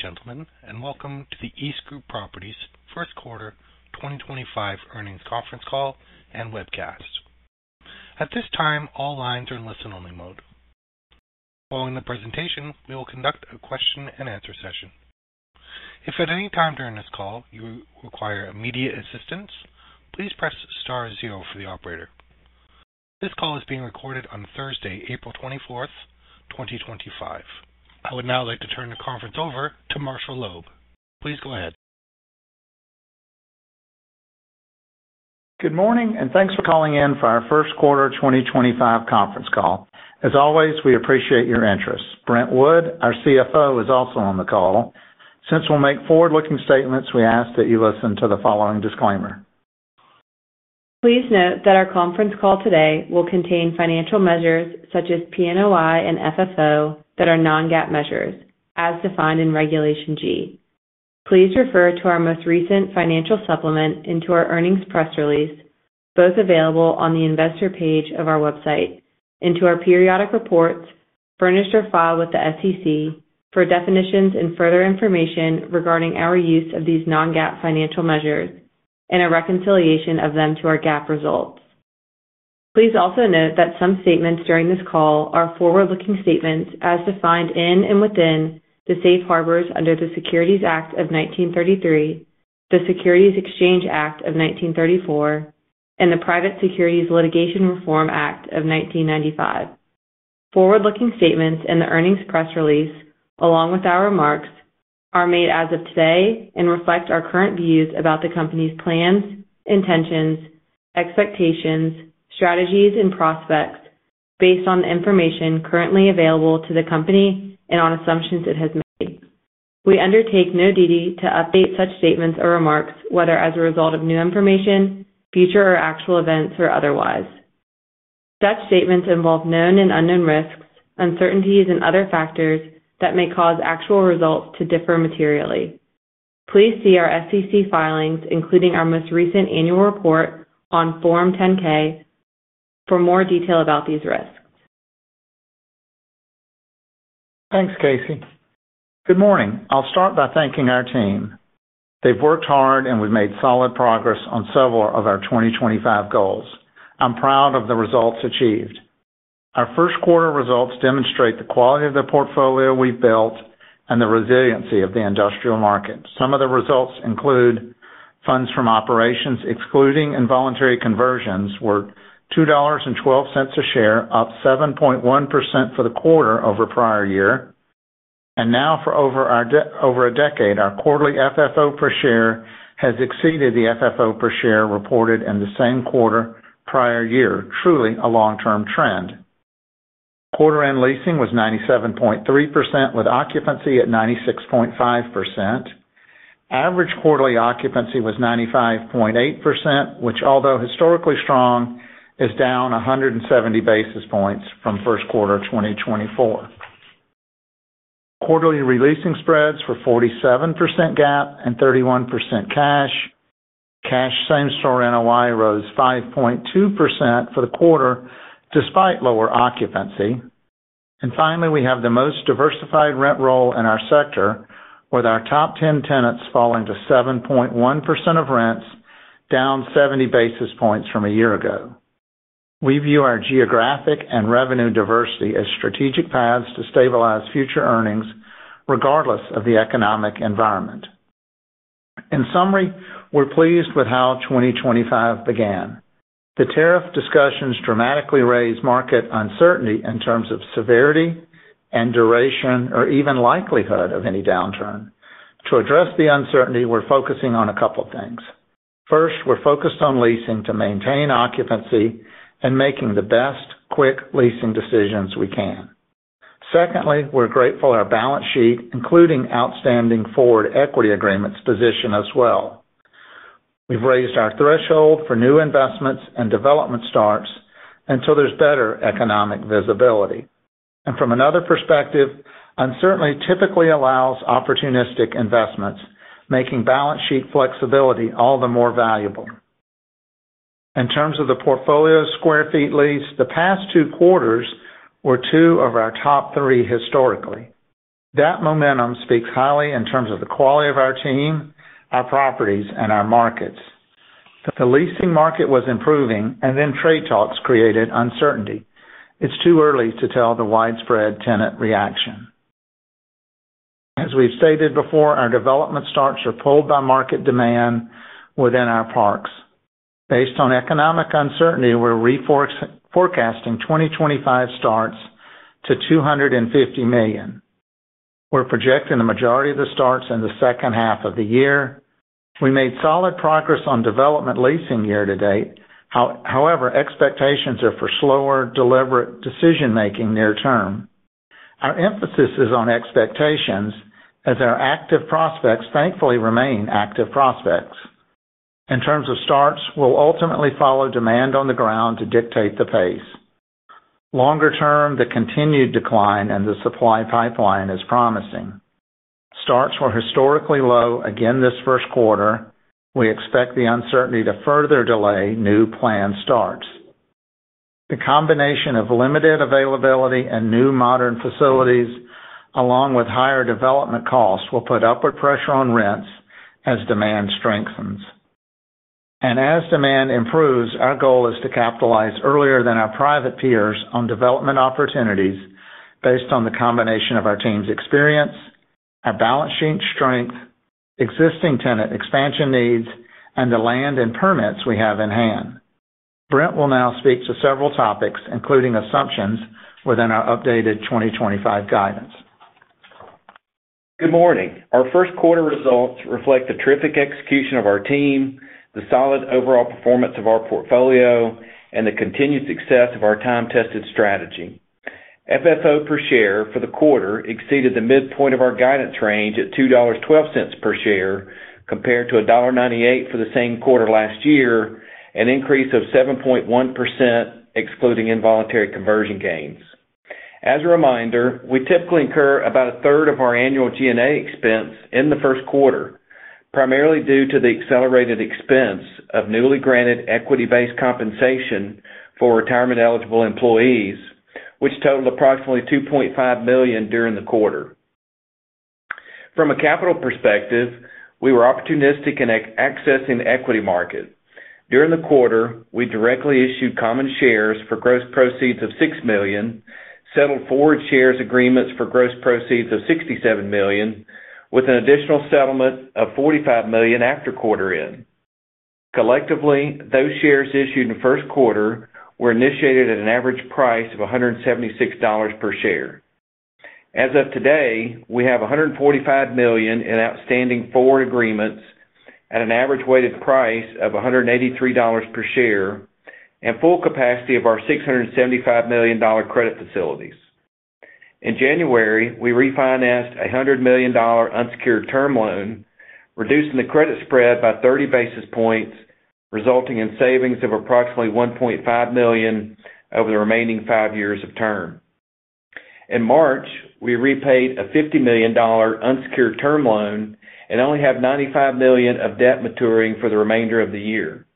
Gentlemen, and welcome to the EastGroup Properties, first quarter 2025 earnings conference call and webcast. At this time, all lines are in listen-only mode. Following the presentation, we will conduct a question-and-answer session. If at any time during this call you require immediate assistance, please press star zero for the operator. This call is being recorded on Thursday, April 24th, 2025. I would now like to turn the conference over to Marshall Loeb. Please go ahead. Good morning, and thanks for calling in for our first quarter 2025 conference call. As always, we appreciate your interest. Brent Wood, our CFO, is also on the call. Since we'll make forward-looking statements, we ask that you listen to the following disclaimer. Please note that our conference call today will contain financial measures such as NOI and FFO that are non-GAAP measures, as defined in Regulation G. Please refer to our most recent financial supplement and to our earnings press release, both available on the investor page of our website, and to our periodic reports furnished or filed with the SEC for definitions and further information regarding our use of these non-GAAP financial measures and a reconciliation of them to our GAAP results. Please also note that some statements during this call are forward-looking statements as defined in and within the Safe Harbors under the Securities Act of 1933, the Securities Exchange Act of 1934, and the Private Securities Litigation Reform Act of 1995. Forward-looking statements in the earnings press release, along with our remarks, are made as of today and reflect our current views about the company's plans, intentions, expectations, strategies, and prospects based on the information currently available to the company and on assumptions it has made. We undertake no duty to update such statements or remarks, whether as a result of new information, future, or actual events, or otherwise. Such statements involve known and unknown risks, uncertainties, and other factors that may cause actual results to differ materially. Please see our SEC filings, including our most recent annual report on Form 10-K, for more detail about these risks. Thanks, Staci. Good morning. I'll start by thanking our team. They've worked hard, and we've made solid progress on several of our 2025 goals. I'm proud of the results achieved. Our first quarter results demonstrate the quality of the portfolio we've built and the resiliency of the industrial market. Some of the results include funds from operations excluding involuntary conversions were $2.12 a share, up 7.1% for the quarter over prior year. For over a decade, our quarterly FFO per share has exceeded the FFO per share reported in the same quarter prior year, truly a long-term trend. Quarter-end leasing was 97.3%, with occupancy at 96.5%. Average quarterly occupancy was 95.8%, which, although historically strong, is down 170 basis points from first quarter 2024. Quarterly releasing spreads were 47% GAAP and 31% cash. Cash same-store NOI rose 5.2% for the quarter despite lower occupancy. Finally, we have the most diversified rent roll in our sector, with our top 10 tenants falling to 7.1% of rents, down 70 basis points from a year ago. We view our geographic and revenue diversity as strategic paths to stabilize future earnings regardless of the economic environment. In summary, we're pleased with how 2025 began. The tariff discussions dramatically raised market uncertainty in terms of severity and duration or even likelihood of any downturn. To address the uncertainty, we're focusing on a couple of things. First, we're focused on leasing to maintain occupancy and making the best quick leasing decisions we can. Secondly, we're grateful our balance sheet, including outstanding forward equity agreements, position as well. We've raised our threshold for new investments and development starts until there's better economic visibility. From another perspective, uncertainty typically allows opportunistic investments, making balance sheet flexibility all the more valuable. In terms of the portfolio square feet leased, the past two quarters were two of our top three historically. That momentum speaks highly in terms of the quality of our team, our properties, and our markets. The leasing market was improving, and then trade talks created uncertainty. It is too early to tell the widespread tenant reaction. As we have stated before, our development starts are pulled by market demand within our parks. Based on economic uncertainty, we are forecasting 2025 starts to $250 million. We are projecting the majority of the starts in the second half of the year. We made solid progress on development leasing year to date. However, expectations are for slower, deliberate decision-making near term. Our emphasis is on expectations as our active prospects, thankfully, remain active prospects. In terms of starts, we will ultimately follow demand on the ground to dictate the pace. Longer term, the continued decline in the supply pipeline is promising. Starts were historically low again this first quarter. We expect the uncertainty to further delay new planned starts. The combination of limited availability and new modern facilities, along with higher development costs, will put upward pressure on rents as demand strengthens. As demand improves, our goal is to capitalize earlier than our private peers on development opportunities based on the combination of our team's experience, our balance sheet strength, existing tenant expansion needs, and the land and permits we have in hand. Brent will now speak to several topics, including assumptions within our updated 2025 guidance. Good morning. Our first quarter results reflect the terrific execution of our team, the solid overall performance of our portfolio, and the continued success of our time-tested strategy. FFO per share for the quarter exceeded the midpoint of our guidance range at $2.12 per share compared to $1.98 for the same quarter last year, an increase of 7.1% excluding involuntary conversion gains. As a reminder, we typically incur about a third of our annual G&A expense in the first quarter, primarily due to the accelerated expense of newly granted equity-based compensation for retirement-eligible employees, which totaled approximately $2.5 million during the quarter. From a capital perspective, we were opportunistic in accessing the equity market. During the quarter, we directly issued common shares for gross proceeds of $6 million, settled forward shares agreements for gross proceeds of $67 million, with an additional settlement of $45 million after quarter-end. Collectively, those shares issued in the first quarter were initiated at an average price of $176 per share. As of today, we have $145 million in outstanding forward agreements at an average weighted price of $183 per share and full capacity of our $675 million credit facilities. In January, we refinanced a $100 million unsecured term loan, reducing the credit spread by 30 basis points, resulting in savings of approximately $1.5 million over the remaining five years of term. In March, we repaid a $50 million unsecured term loan and only have $95 million of debt maturing for the remainder of the year.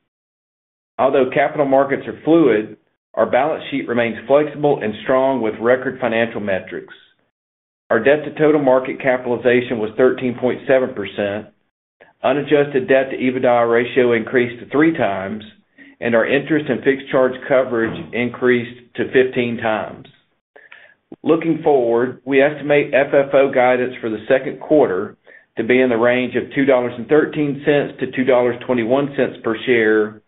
Although capital markets are fluid, our balance sheet remains flexible and strong with record financial metrics. Our debt-to-total market capitalization was 13.7%. Unadjusted debt-to-EBITDA ratio increased to 3x, and our interest and fixed charge coverage increased to 15x. Looking forward, we estimate FFO guidance for the second quarter to be in the range of $2.13-$2.21 per share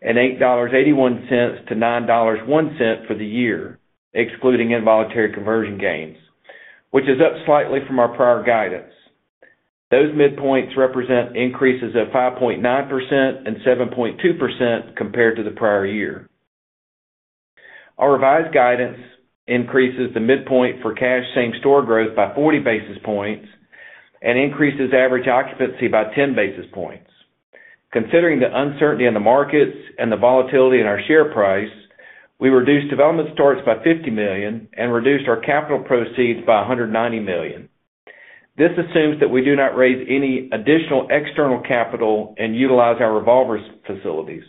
and $8.81-$9.01 for the year, excluding involuntary conversion gains, which is up slightly from our prior guidance. Those midpoints represent increases of 5.9% and 7.2% compared to the prior year. Our revised guidance increases the midpoint for cash same-store growth by 40 basis points and increases average occupancy by 10 basis points. Considering the uncertainty in the markets and the volatility in our share price, we reduced development starts by $50 million and reduced our capital proceeds by $190 million. This assumes that we do not raise any additional external capital and utilize our revolvers facilities.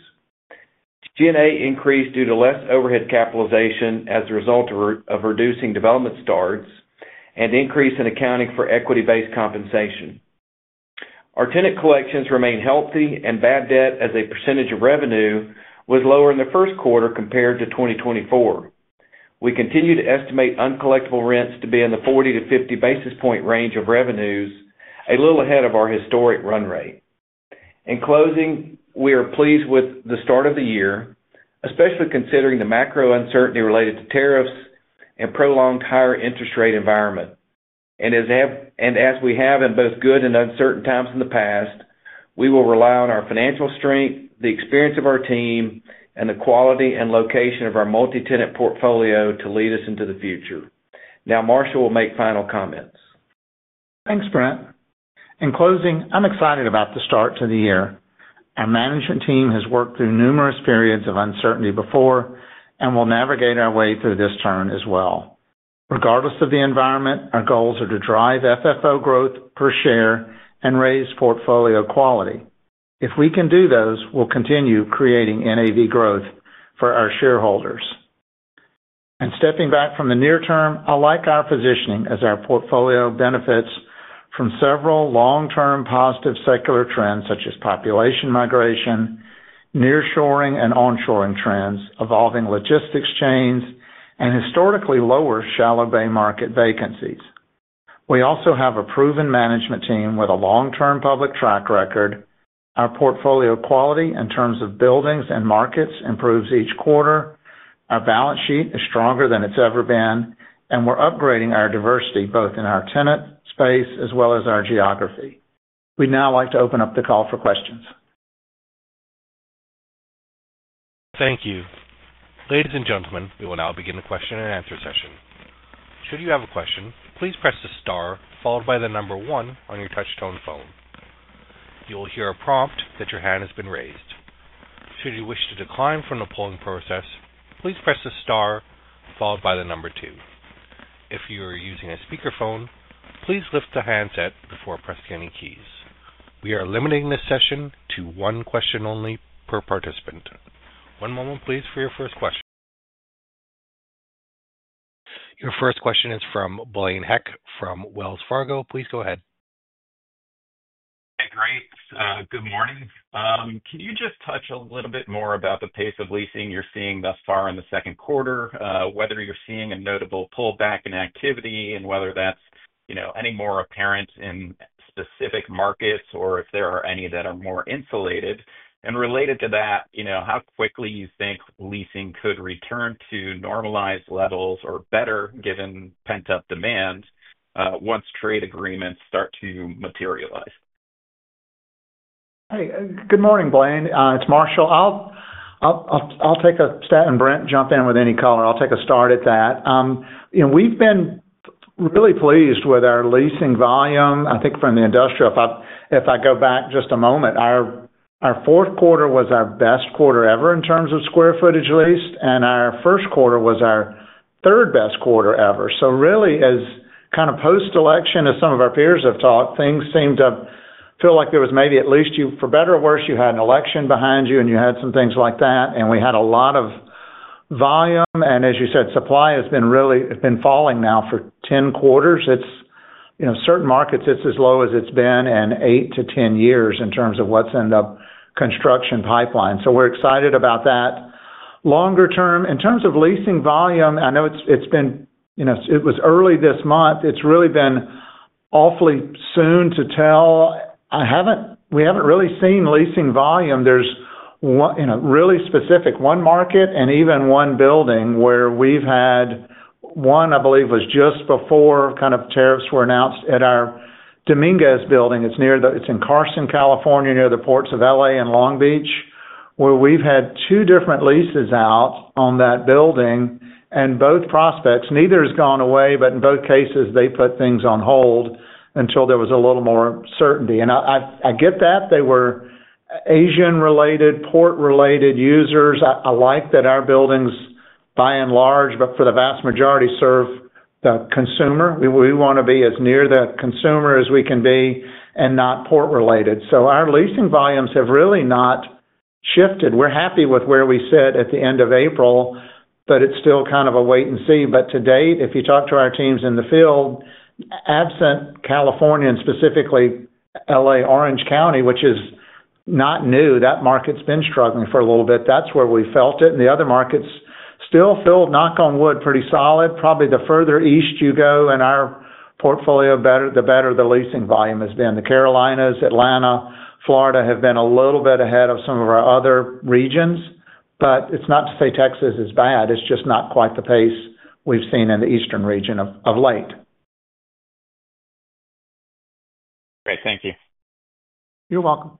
G&A increased due to less overhead capitalization as a result of reducing development starts and increase in accounting for equity-based compensation. Our tenant collections remain healthy, and bad debt as a percentage of revenue was lower in the first quarter compared to 2024. We continue to estimate uncollectible rents to be in the 40-50 basis point range of revenues, a little ahead of our historic run rate. In closing, we are pleased with the start of the year, especially considering the macro uncertainty related to tariffs and prolonged higher interest rate environment. As we have in both good and uncertain times in the past, we will rely on our financial strength, the experience of our team, and the quality and location of our multi-tenant portfolio to lead us into the future. Now, Marshall will make final comments. Thanks, Brent. In closing, I'm excited about the start to the year. Our management team has worked through numerous periods of uncertainty before and will navigate our way through this turn as well. Regardless of the environment, our goals are to drive FFO growth per share and raise portfolio quality. If we can do those, we'll continue creating NAV growth for our shareholders. Stepping back from the near term, I like our positioning as our portfolio benefits from several long-term positive secular trends such as population migration, nearshoring and onshoring trends, evolving logistics chains, and historically lower shallow bay market vacancies. We also have a proven management team with a long-term public track record. Our portfolio quality in terms of buildings and markets improves each quarter. Our balance sheet is stronger than it's ever been, and we're upgrading our diversity both in our tenant space as well as our geography. We'd now like to open up the call for questions. Thank you. Ladies and gentlemen, we will now begin the question-and-answer session. Should you have a question, please press the star followed by the number one on your touch-tone phone. You will hear a prompt that your hand has been raised. Should you wish to decline from the polling process, please press the star followed by the number two. If you are using a speakerphone, please lift the handset before pressing any keys. We are limiting this session to one question only per participant. One moment, please, for your first question. Your first question is from Blaine Heck from Wells Fargo. Please go ahead. Hey, great. Good morning. Can you just touch a little bit more about the pace of leasing you're seeing thus far in the second quarter, whether you're seeing a notable pullback in activity and whether that's any more apparent in specific markets or if there are any that are more insulated? Related to that, how quickly you think leasing could return to normalized levels or better given pent-up demand once trade agreements start to materialize? Hey, good morning, Blaine. It's Marshall. I'll take a start at that and Brent, jump in with any color. We've been really pleased with our leasing volume, I think, from the industrial. If I go back just a moment, our fourth quarter was our best quarter ever in terms of square footage leased, and our first quarter was our third best quarter ever. Really, as kind of post-election, as some of our peers have talked, things seem to feel like there was maybe at least, for better or worse, you had an election behind you and you had some things like that, and we had a lot of volume. As you said, supply has been falling now for 10 quarters. In certain markets, it's as low as it's been in 8 to 10 years in terms of what's in the construction pipeline. We're excited about that. Longer term, in terms of leasing volume, I know it's been—it was early this month. It's really been awfully soon to tell. We haven't really seen leasing volume. There's really specific one market and even one building where we've had one, I believe, was just before kind of tariffs were announced at our Dominguez Building. It's in Carson, California, near the ports of LA and Long Beach, where we've had two different leases out on that building and both prospects. Neither has gone away, but in both cases, they put things on hold until there was a little more certainty. I get that. They were Asian-related, port-related users. I like that our buildings, by and large, but for the vast majority, serve the consumer. We want to be as near the consumer as we can be and not port-related. Our leasing volumes have really not shifted. We're happy with where we sit at the end of April, but it's still kind of a wait and see. To date, if you talk to our teams in the field, absent California and specifically LA Orange County, which is not new, that market's been struggling for a little bit. That's where we felt it. The other markets still feel, knock on wood, pretty solid. Probably the further east you go in our portfolio, the better the leasing volume has been. The Carolinas, Atlanta, Florida have been a little bit ahead of some of our other regions, but it's not to say Texas is bad. It's just not quite the pace we've seen in the eastern region of late. Great. Thank you. You're welcome.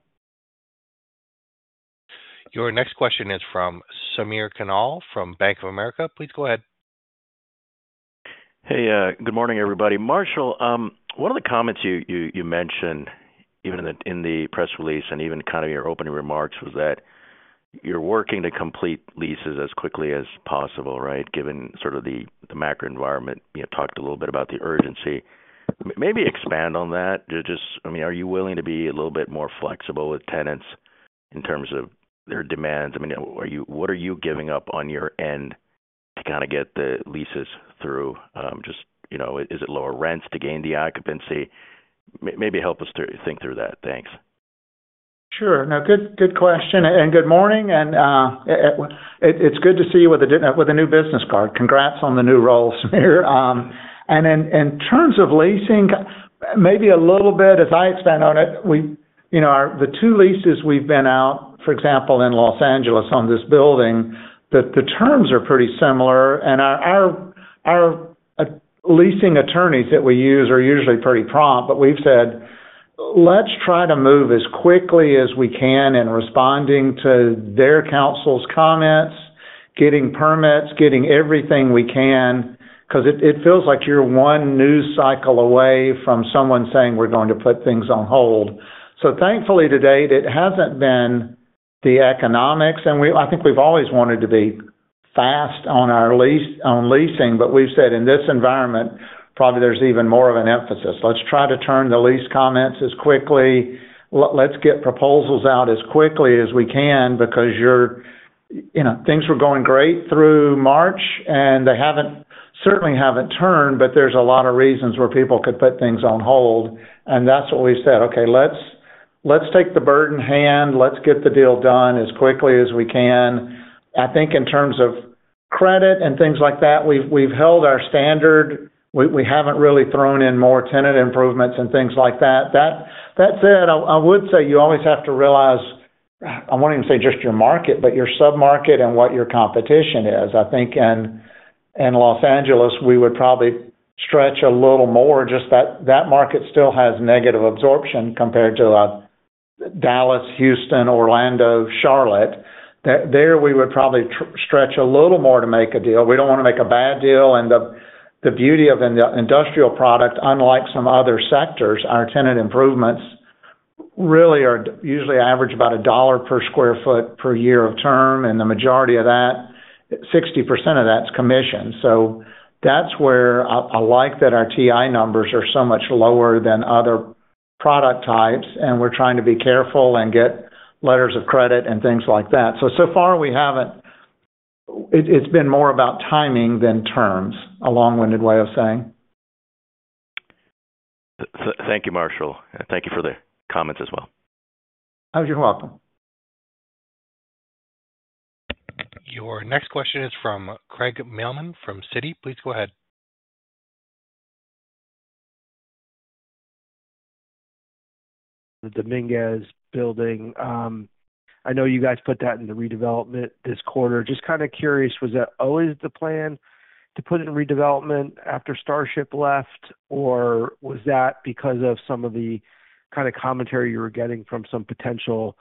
Your next question is from Samir Khanal from Bank of America. Please go ahead. Hey, good morning, everybody. Marshall, one of the comments you mentioned, even in the press release and even kind of your opening remarks, was that you're working to complete leases as quickly as possible, right, given sort of the macro environment. You talked a little bit about the urgency. Maybe expand on that. I mean, are you willing to be a little bit more flexible with tenants in terms of their demands? I mean, what are you giving up on your end to kind of get the leases through? Just is it lower rents to gain the occupancy? Maybe help us think through that. Thanks. Sure. No, good question. Good morning. It's good to see you with a new business card. Congrats on the new role, Samir. In terms of leasing, maybe a little bit, as I expand on it, the two leases we've been out, for example, in Los Angeles on this building, the terms are pretty similar. Our leasing attorneys that we use are usually pretty prompt, but we've said, "Let's try to move as quickly as we can in responding to their counsel's comments, getting permits, getting everything we can," because it feels like you're one news cycle away from someone saying, "We're going to put things on hold." Thankfully to date, it hasn't been the economics. I think we've always wanted to be fast on leasing, but we've said in this environment, probably there's even more of an emphasis. Let's try to turn the lease comments as quickly. Let's get proposals out as quickly as we can because things were going great through March, and they certainly haven't turned, but there's a lot of reasons where people could put things on hold. That's what we've said. Okay, let's take the burden hand. Let's get the deal done as quickly as we can. I think in terms of credit and things like that, we've held our standard. We haven't really thrown in more tenant improvements and things like that. That said, I would say you always have to realize, I won't even say just your market, but your sub-market and what your competition is. I think in Los Angeles, we would probably stretch a little more. Just that market still has negative absorption compared to Dallas, Houston, Orlando, Charlotte. There, we would probably stretch a little more to make a deal. We do not want to make a bad deal. The beauty of the industrial product, unlike some other sectors, is our tenant improvements really usually average about $1 per sq ft per year of term, and the majority of that, 60% of that, is commission. That is where I like that our TI numbers are so much lower than other product types, and we are trying to be careful and get letters of credit and things like that. So far, we have not—it has been more about timing than terms, a long-winded way of saying. Thank you, Marshall. Thank you for the comments as well. Oh, you're welcome. Your next question is from Craig Mailman from Citi. Please go ahead. The Dominguez Building. I know you guys put that in the redevelopment this quarter. Just kind of curious, was that always the plan to put it in redevelopment after Starship left, or was that because of some of the kind of commentary you were getting from some potential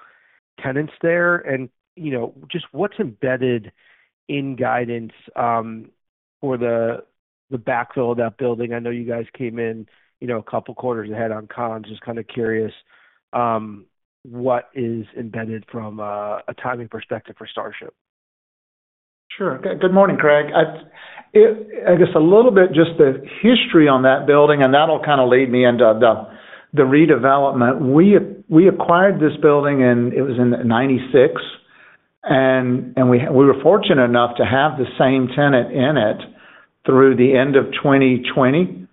tenants there? Just what's embedded in guidance for the backfill of that building? I know you guys came in a couple quarters ahead on cons. Just kind of curious what is embedded from a timing perspective for Starship. Sure. Good morning, Craig. I guess a little bit just the history on that building, and that'll kind of lead me into the redevelopment. We acquired this building, and it was in 1996, and we were fortunate enough to have the same tenant in it through the end of 2020.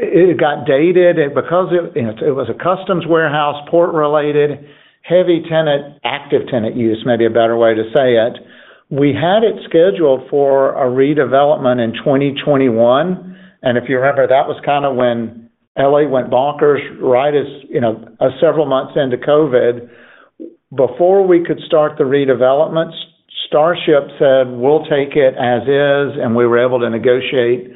It got dated because it was a customs warehouse, port-related, heavy tenant, active tenant use, maybe a better way to say it. We had it scheduled for a redevelopment in 2021. If you remember, that was kind of when LA went bonkers, right, several months into COVID. Before we could start the redevelopment, Starship said, "We'll take it as is," and we were able to negotiate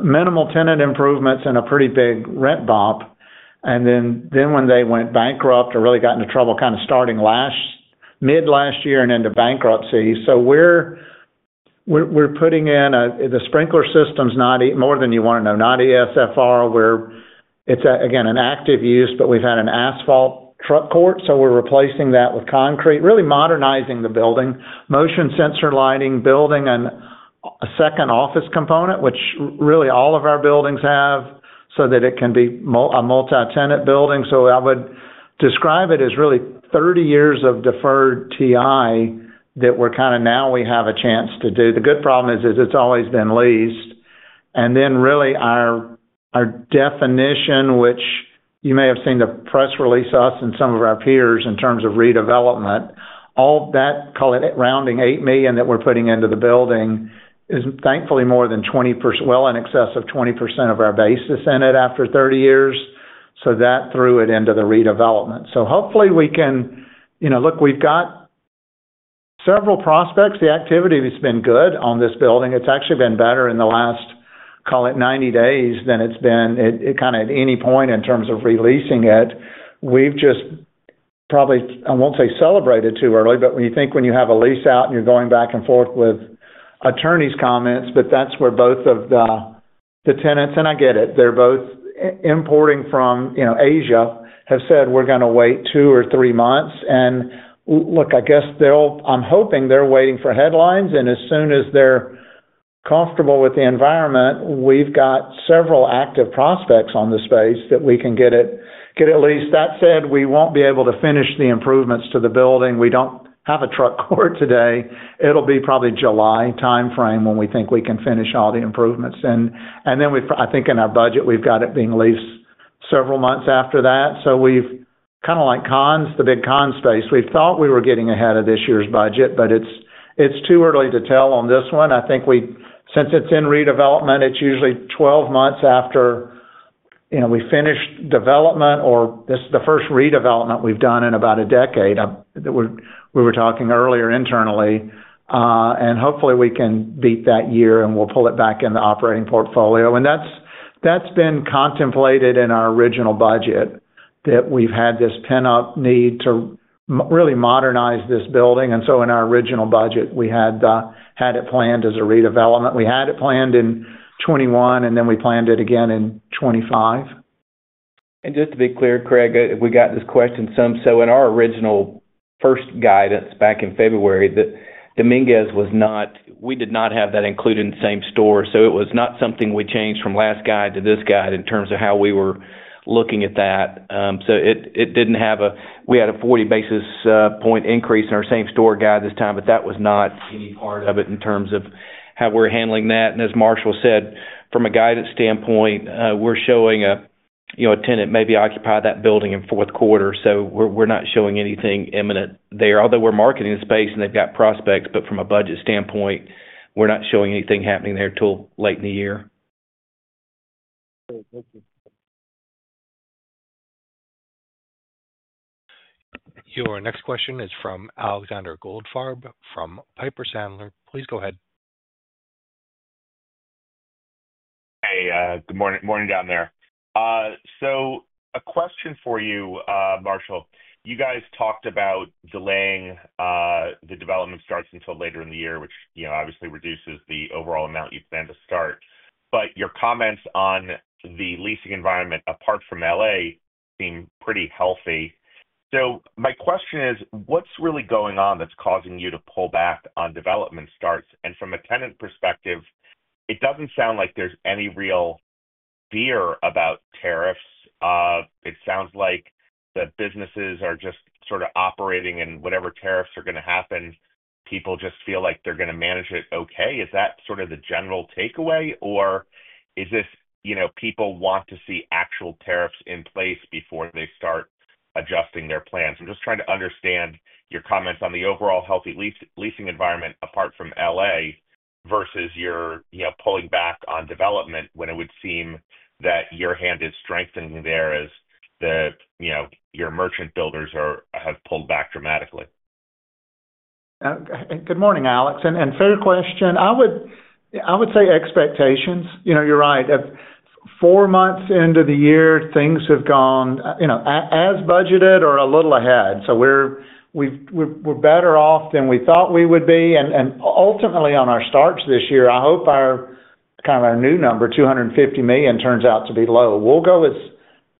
minimal tenant improvements and a pretty big rent bump. When they went bankrupt or really got into trouble kind of starting mid-last year and into bankruptcy. We're putting in the sprinkler systems, more than you want to know, not ESFR, where it's, again, an active use, but we've had an asphalt truck court, so we're replacing that with concrete, really modernizing the building, motion sensor lighting, building a second office component, which really all of our buildings have, so that it can be a multi-tenant building. I would describe it as really 30 years of deferred TI that we're kind of now we have a chance to do. The good problem is it's always been leased. Really our definition, which you may have seen the press release, us and some of our peers in terms of redevelopment, all that, call it rounding $8 million that we're putting into the building is thankfully more than 20%, well in excess of 20% of our basis in it after 30 years. That threw it into the redevelopment. Hopefully we can look, we've got several prospects. The activity has been good on this building. It's actually been better in the last, call it 90 days, than it's been kind of at any point in terms of releasing it. We've just probably, I won't say celebrated too early, but when you think when you have a lease out and you're going back and forth with attorneys' comments, that's where both of the tenants, and I get it, they're both importing from Asia, have said, "We're going to wait two or three months." I guess I'm hoping they're waiting for headlines, and as soon as they're comfortable with the environment, we've got several active prospects on the space that we can get at least. That said, we won't be able to finish the improvements to the building. We don't have a truck court today. It'll be probably July timeframe when we think we can finish all the improvements. I think in our budget, we've got it being leased several months after that. We've kind of like cons, the big con space. We thought we were getting ahead of this year's budget, but it's too early to tell on this one. I think since it's in redevelopment, it's usually 12 months after we finish development, or this is the first redevelopment we've done in about a decade that we were talking earlier internally. Hopefully we can beat that year and we'll pull it back in the operating portfolio. That's been contemplated in our original budget that we've had this pent-up need to really modernize this building. In our original budget, we had it planned as a redevelopment. We had it planned in 2021, and then we planned it again in 2025. Just to be clear, Craig, we got this question some. In our original first guidance back in February, the Dominguez was not—we did not have that included in the same store. It was not something we changed from last guide to this guide in terms of how we were looking at that. It did not have a—we had a 40 basis point increase in our same store guide this time, but that was not any part of it in terms of how we are handling that. As Marshall said, from a guidance standpoint, we are showing a tenant maybe occupy that building in fourth quarter. We are not showing anything imminent there. Although we are marketing the space and they have got prospects, from a budget standpoint, we are not showing anything happening there till late in the year. Your next question is from Alexander Goldfarb from Piper Sandler. Please go ahead. Hey, good morning down there. A question for you, Marshall. You guys talked about delaying the development starts until later in the year, which obviously reduces the overall amount you plan to start. Your comments on the leasing environment apart from LA seem pretty healthy. My question is, what's really going on that's causing you to pull back on development starts? From a tenant perspective, it doesn't sound like there's any real fear about tariffs. It sounds like the businesses are just sort of operating in whatever tariffs are going to happen. People just feel like they're going to manage it okay. Is that sort of the general takeaway, or is this people want to see actual tariffs in place before they start adjusting their plans? I'm just trying to understand your comments on the overall healthy leasing environment apart from LA versus your pulling back on development when it would seem that your hand is strengthening there as your merchant builders have pulled back dramatically. Good morning, Alex. Fair question. I would say expectations. You're right. Four months into the year, things have gone as budgeted or a little ahead. We're better off than we thought we would be. Ultimately, on our starts this year, I hope our kind of our new number, $250 million, turns out to be low. We'll go as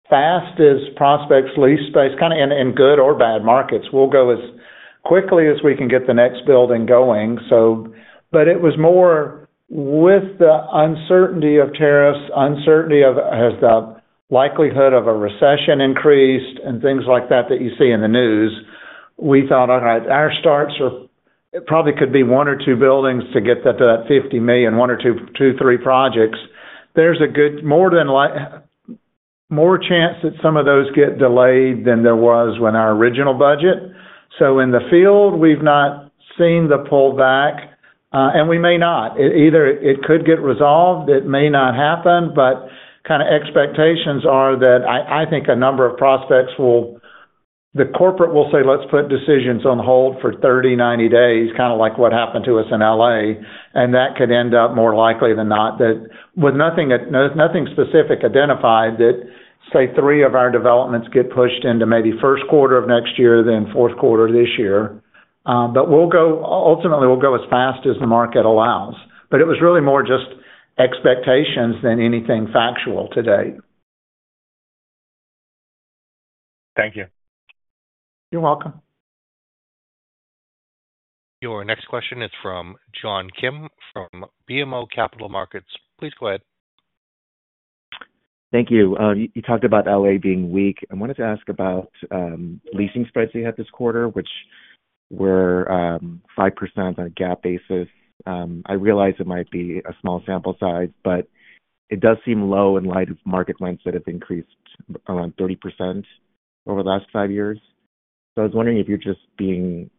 fast as prospects lease space, kind of in good or bad markets. We'll go as quickly as we can get the next building going. It was more with the uncertainty of tariffs, uncertainty of has the likelihood of a recession increased and things like that that you see in the news. We thought, "Okay, our starts are probably could be one or two buildings to get that to that $50 million, one or two, two, three projects." There is more chance that some of those get delayed than there was with our original budget. In the field, we have not seen the pullback, and we may not. Either it could get resolved, it may not happen, but kind of expectations are that I think a number of prospects will—the corporate will say, "Let's put decisions on hold for 30-90 days," kind of like what happened to us in Los Angeles. That could end up more likely than not that with nothing specific identified that, say, three of our developments get pushed into maybe first quarter of next year, then fourth quarter this year. Ultimately, we will go as fast as the market allows. It was really more just expectations than anything factual to date. Thank you. You're welcome. Your next question is from John Kim from BMO Capital Markets. Please go ahead. Thank you. You talked about LA being weak. I wanted to ask about leasing spreads you had this quarter, which were 5% on a GAAP basis. I realize it might be a small sample size, but it does seem low in light of market lengths that have increased around 30% over the last five years. I was wondering if you're just being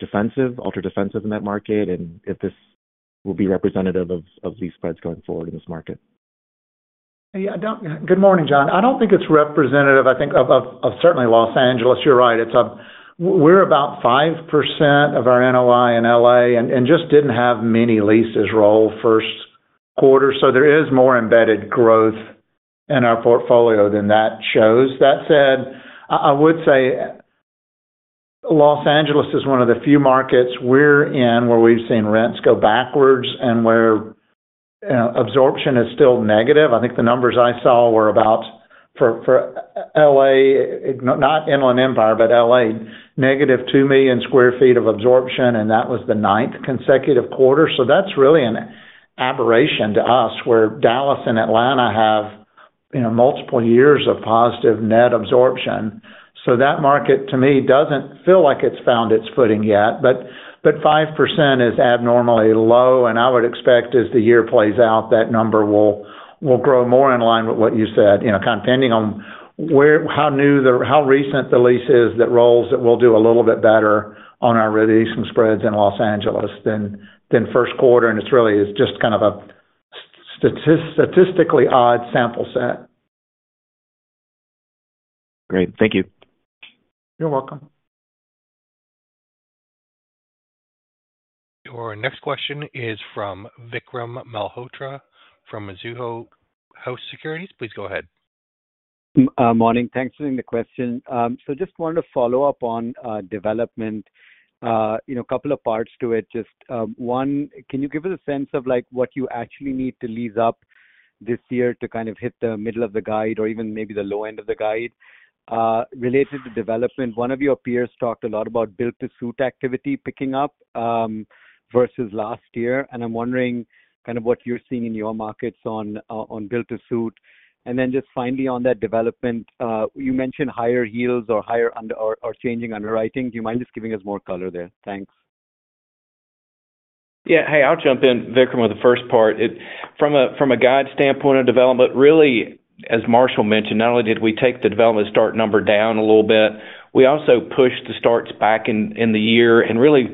defensive, ultra defensive in that market, and if this will be representative of lease spreads going forward in this market. Good morning, John. I do not think it is representative. I think of certainly Los Angeles. You are right. We are about 5% of our NOI in LA and just did not have many leases roll first quarter. There is more embedded growth in our portfolio than that shows. That said, I would say Los Angeles is one of the few markets we are in where we have seen rents go backwards and where absorption is still negative. I think the numbers I saw were about for LA, not Inland Empire, but LA, -2 million sq ft of absorption, and that was the ninth consecutive quarter. That is really an aberration to us where Dallas and Atlanta have multiple years of positive net absorption. That market, to me, does not feel like it has found its footing yet. 5% is abnormally low, and I would expect as the year plays out, that number will grow more in line with what you said, kind of depending on how recent the lease is that rolls that will do a little bit better on our releasing spreads in Los Angeles than first quarter. It is really just kind of a statistically odd sample set. Great. Thank you. You're welcome. Your next question is from Vikram Malhotra from Mizuho Securities. Please go ahead. Good morning. Thanks for the question. Just wanted to follow up on development. A couple of parts to it. Just one, can you give us a sense of what you actually need to lease up this year to kind of hit the middle of the guide or even maybe the low end of the guide? Related to development, one of your peers talked a lot about build-to-suit activity picking up versus last year. I'm wondering kind of what you're seeing in your markets on build-to-suit. Just finally on that development, you mentioned higher heels or changing underwriting. Do you mind just giving us more color there? Thanks. Yeah. Hey, I'll jump in. Vikram, with the first part, from a guide standpoint of development, really, as Marshall mentioned, not only did we take the development start number down a little bit, we also pushed the starts back in the year. Really,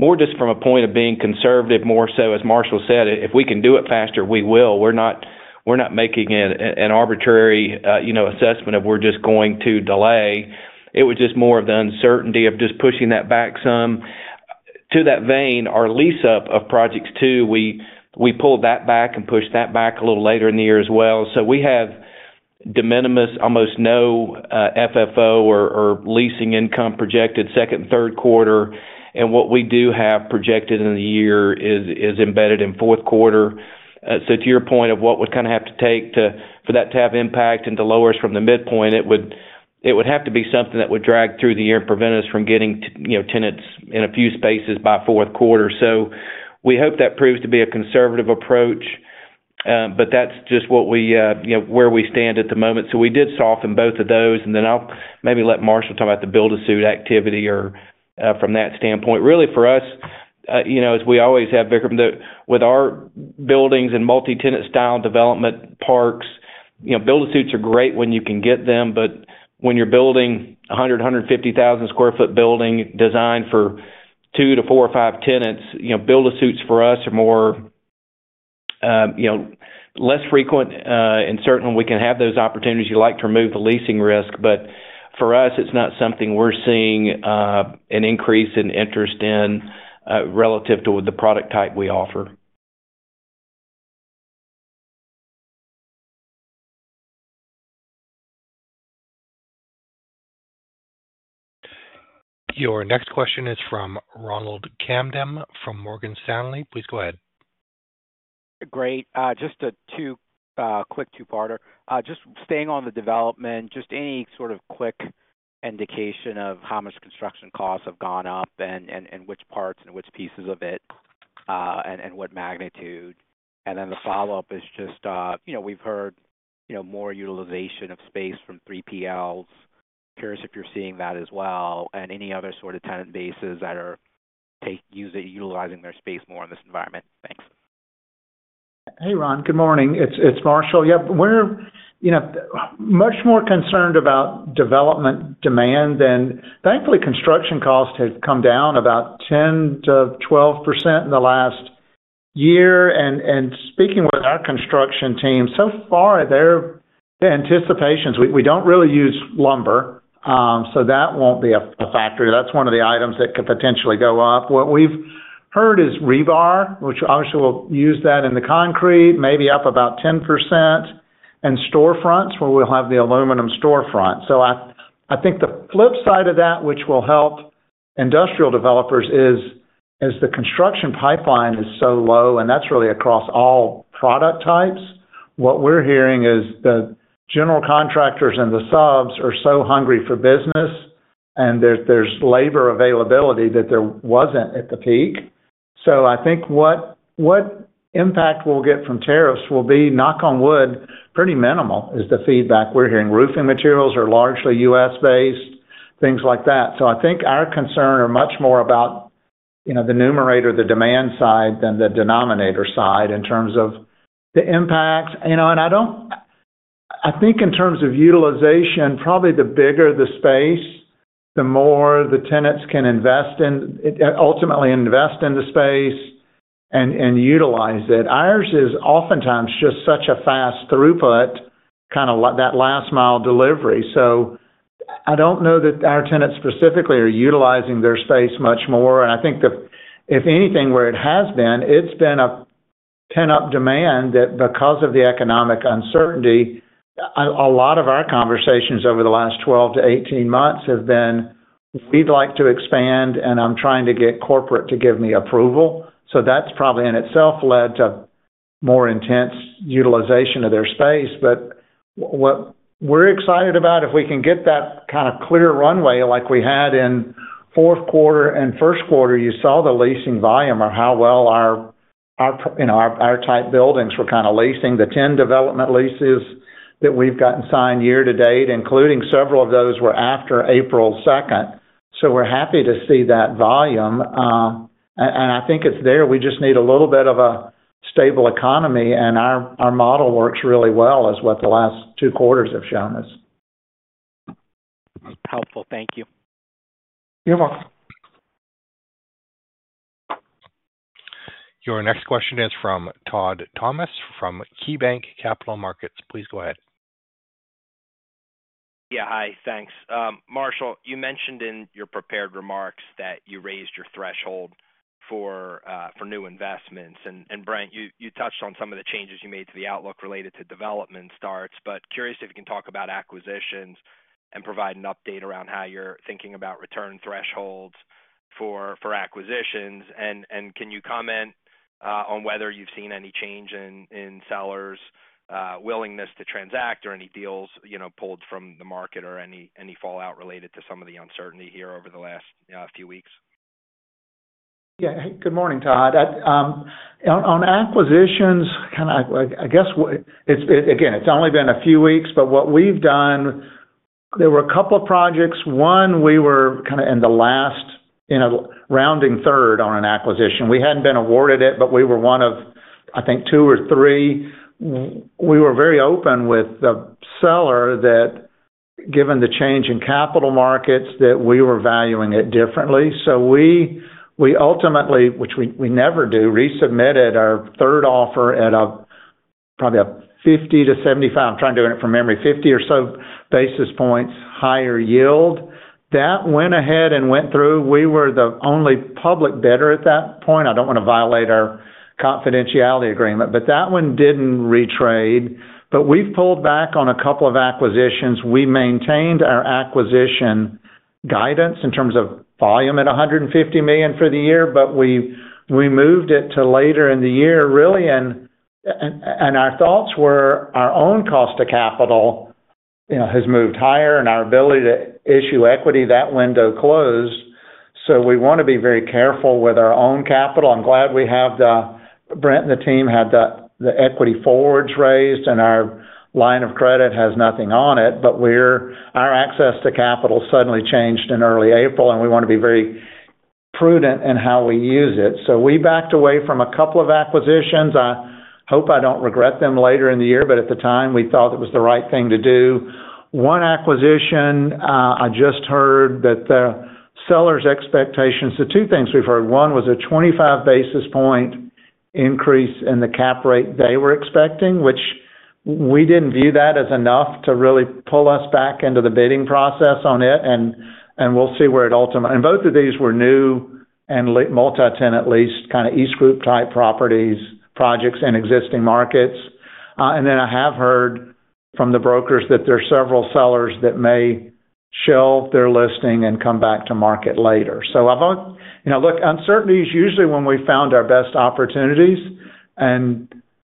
more just from a point of being conservative, more so, as Marshall said, if we can do it faster, we will. We're not making an arbitrary assessment of we're just going to delay. It was just more of the uncertainty of just pushing that back some. To that vein, our lease-up of projects too, we pulled that back and pushed that back a little later in the year as well. We have de minimis, almost no FFO or leasing income projected second and third quarter. What we do have projected in the year is embedded in fourth quarter. To your point of what would kind of have to take for that to have impact and to lower us from the midpoint, it would have to be something that would drag through the year and prevent us from getting tenants in a few spaces by fourth quarter. We hope that proves to be a conservative approach, but that's just where we stand at the moment. We did soften both of those. I'll maybe let Marshall talk about the build-to-suit activity from that standpoint. Really, for us, as we always have, Vikram, with our buildings and multi-tenant style development parks, build-to-suits are great when you can get them. When you're building a 100,000 sq ft, 150,000 sq ft building designed for two to four or five tenants, build-to-suits for us are less frequent. Certainly, we can have those opportunities. You'd like to remove the leasing risk. For us, it's not something we're seeing an increase in interest in relative to the product type we offer. Your next question is from Ronald Kamdem from Morgan Stanley. Please go ahead. Great. Just a quick two-parter. Just staying on the development, just any sort of quick indication of how much construction costs have gone up and which parts and which pieces of it and what magnitude. The follow-up is just we've heard more utilization of space from 3PLs. Curious if you're seeing that as well and any other sort of tenant bases that are utilizing their space more in this environment. Thanks. Hey, Ron. Good morning. It's Marshall. Yeah. We're much more concerned about development demand than, thankfully, construction costs have come down about 10%-12% in the last year. Speaking with our construction team, so far, their anticipations, we don't really use lumber, so that won't be a factor. That's one of the items that could potentially go up. What we've heard is rebar, which obviously we'll use that in the concrete, maybe up about 10%, and storefronts where we'll have the aluminum storefront. I think the flip side of that, which will help industrial developers, is the construction pipeline is so low, and that's really across all product types. What we're hearing is the general contractors and the subs are so hungry for business, and there's labor availability that there wasn't at the peak. I think what impact we'll get from tariffs will be, knock on wood, pretty minimal is the feedback we're hearing. Roofing materials are largely U.S.-based, things like that. I think our concerns are much more about the numerator, the demand side than the denominator side in terms of the impacts. I think in terms of utilization, probably the bigger the space, the more the tenants can invest in, ultimately invest in the space and utilize it. Ours is oftentimes just such a fast throughput, kind of that last-mile delivery. I don't know that our tenants specifically are utilizing their space much more. I think if anything, where it has been, it's been a pent-up demand that because of the economic uncertainty, a lot of our conversations over the last 12 to 18 months have been, "We'd like to expand, and I'm trying to get corporate to give me approval." That's probably in itself led to more intense utilization of their space. What we're excited about, if we can get that kind of clear runway like we had in fourth quarter and first quarter, you saw the leasing volume or how well our type buildings were kind of leasing, the 10 development leases that we've gotten signed year to date, including several of those were after April 2nd. We're happy to see that volume. I think it's there. We just need a little bit of a stable economy. Our model works really well is what the last two quarters have shown us. Helpful. Thank you. You're welcome. Your next question is from Todd Thomas from KeyBanc Capital Markets. Please go ahead. Yeah. Hi. Thanks. Marshall, you mentioned in your prepared remarks that you raised your threshold for new investments. Brent, you touched on some of the changes you made to the outlook related to development starts, but curious if you can talk about acquisitions and provide an update around how you're thinking about return thresholds for acquisitions. Can you comment on whether you've seen any change in sellers' willingness to transact or any deals pulled from the market or any fallout related to some of the uncertainty here over the last few weeks? Yeah. Good morning, Todd. On acquisitions, kind of I guess, again, it's only been a few weeks, but what we've done, there were a couple of projects. One, we were kind of in the last rounding third on an acquisition. We hadn't been awarded it, but we were one of, I think, two or three. We were very open with the seller that, given the change in capital markets, that we were valuing it differently. So we ultimately, which we never do, resubmitted our third offer at probably a 50-75, I'm trying to do it from memory, 50 or so basis points higher yield. That went ahead and went through. We were the only public bidder at that point. I don't want to violate our confidentiality agreement, but that one didn't retrade. But we've pulled back on a couple of acquisitions. We maintained our acquisition guidance in terms of volume at $150 million for the year, but we moved it to later in the year, really. Our thoughts were our own cost of capital has moved higher and our ability to issue equity, that window closed. We want to be very careful with our own capital. I'm glad we have the Brent and the team had the equity forwards raised, and our line of credit has nothing on it, but our access to capital suddenly changed in early April, and we want to be very prudent in how we use it. We backed away from a couple of acquisitions. I hope I do not regret them later in the year, but at the time, we thought it was the right thing to do. One acquisition, I just heard that the seller's expectations, the two things we've heard, one was a 25 basis point increase in the cap rate they were expecting, which we didn't view that as enough to really pull us back into the bidding process on it. We'll see where it ultimately. Both of these were new and multi-tenant leased, kind of EastGroup type properties, projects in existing markets. I have heard from the brokers that there are several sellers that may shelve their listing and come back to market later. Look, uncertainty is usually when we found our best opportunities, and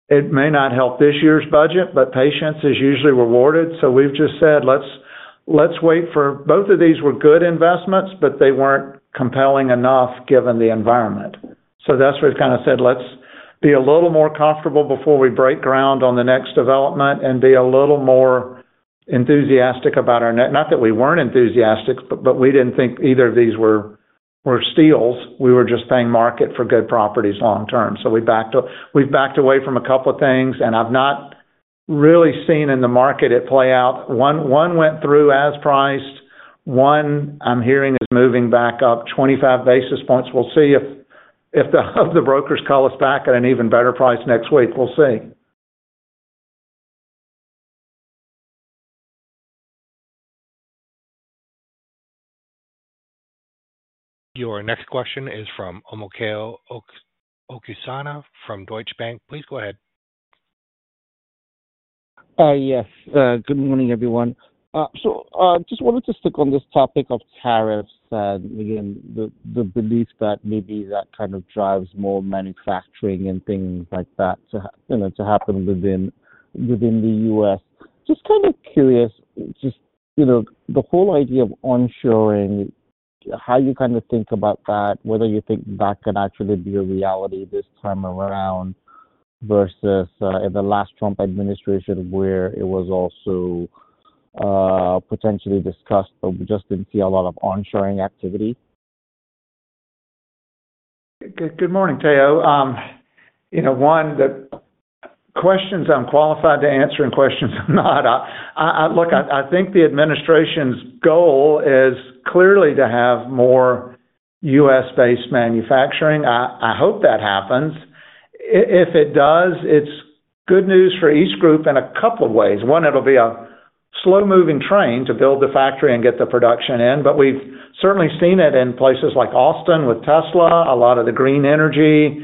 it may not help this year's budget, but patience is usually rewarded. We've just said, "Let's wait for both of these were good investments, but they weren't compelling enough given the environment." That's what we've kind of said, "Let's be a little more comfortable before we break ground on the next development and be a little more enthusiastic about our net" not that we weren't enthusiastic, but we didn't think either of these were steals. We were just paying market for good properties long term. We've backed away from a couple of things, and I've not really seen in the market it play out. One went through as priced. One I'm hearing is moving back up 25 basis points. We'll see if the brokers call us back at an even better price next week. We'll see. Your next question is from Omotayo Okusanya from Deutsche Bank. Please go ahead. Yes. Good morning, everyone. I just wanted to stick on this topic of tariffs and the belief that maybe that kind of drives more manufacturing and things like that to happen within the U.S. Just kind of curious, just the whole idea of onshoring, how you kind of think about that, whether you think that could actually be a reality this time around versus in the last Trump administration where it was also potentially discussed, but we just did not see a lot of onshoring activity. Good morning, Tayo. One, the questions I'm qualified to answer and questions I'm not. Look, I think the administration's goal is clearly to have more U.S.-based manufacturing. I hope that happens. If it does, it's good news for EastGroup in a couple of ways. One, it'll be a slow-moving train to build the factory and get the production in. We've certainly seen it in places like Austin with Tesla, a lot of the green energy.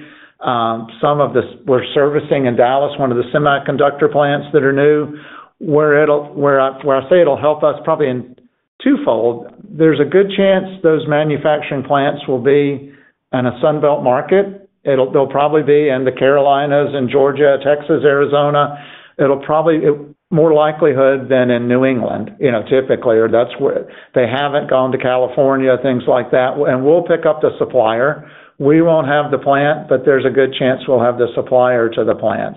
Some of the we're servicing in Dallas, one of the semiconductor plants that are new. Where I say it'll help us probably in twofold, there's a good chance those manufacturing plants will be in a Sunbelt market. They'll probably be in the Carolinas and Georgia, Texas, Arizona. It'll probably have more likelihood than in New England typically, or they haven't gone to California, things like that. We'll pick up the supplier. We won't have the plant, but there's a good chance we'll have the supplier to the plant.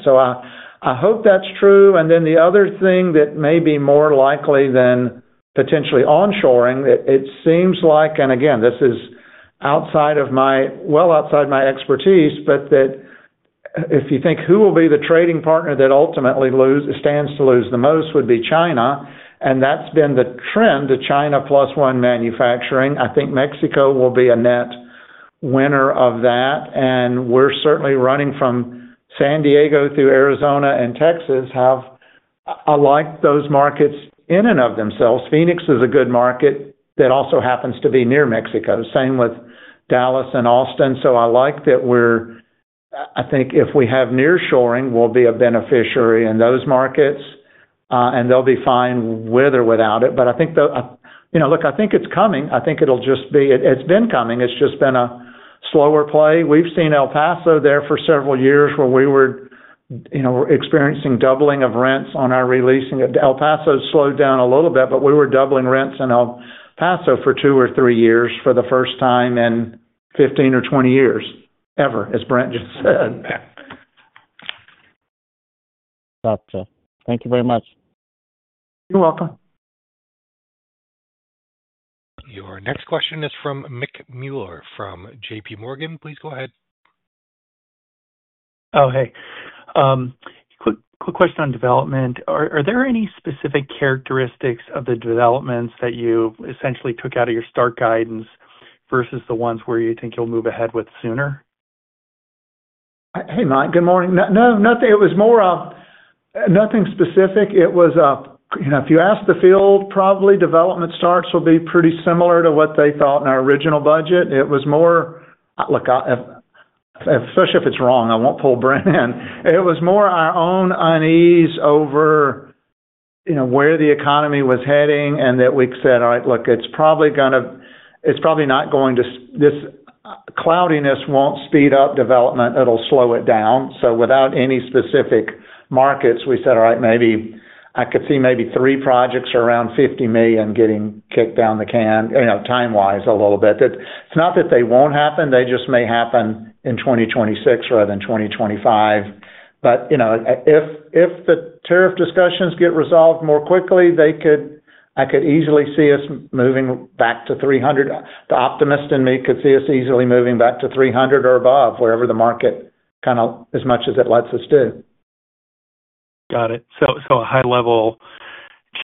I hope that's true. The other thing that may be more likely than potentially onshoring, it seems like, and again, this is well outside my expertise, but if you think who will be the trading partner that ultimately stands to lose the most would be China. That's been the trend, the China plus one manufacturing. I think Mexico will be a net winner of that. We're certainly running from San Diego through Arizona and Texas. I like those markets in and of themselves. Phoenix is a good market that also happens to be near Mexico. Same with Dallas and Austin. I like that we're, I think if we have nearshoring, we'll be a beneficiary in those markets, and they'll be fine with or without it. I think, look, I think it's coming. I think it'll just be it's been coming. It's just been a slower play. We've seen El Paso there for several years where we were experiencing doubling of rents on our releasing. El Paso slowed down a little bit, but we were doubling rents in El Paso for two or three years for the first time in 15 or 20 years ever, as Brent just said. Gotcha. Thank you very much. You're welcome. Your next question is from Mike Mueller from JPMorgan. Please go ahead. Oh, hey. Quick question on development. Are there any specific characteristics of the developments that you essentially took out of your start guidance versus the ones where you think you'll move ahead with sooner? Hey, Mike. Good morning. No, nothing. It was more of nothing specific. It was, if you ask the field, probably development starts will be pretty similar to what they thought in our original budget. It was more, look, especially if it's wrong, I won't pull Brent in. It was more our own unease over where the economy was heading and that we said, "All right, look, it's probably going to it's probably not going to this cloudiness won't speed up development. It'll slow it down." Without any specific markets, we said, "All right, maybe I could see maybe three projects around $50 million getting kicked down the can time-wise a little bit." It's not that they won't happen. They just may happen in 2026 rather than 2025. If the tariff discussions get resolved more quickly, I could easily see us moving back to $300 million. The optimist in me could see us easily moving back to 300 or above, wherever the market kind of as much as it lets us do. Got it. So a high-level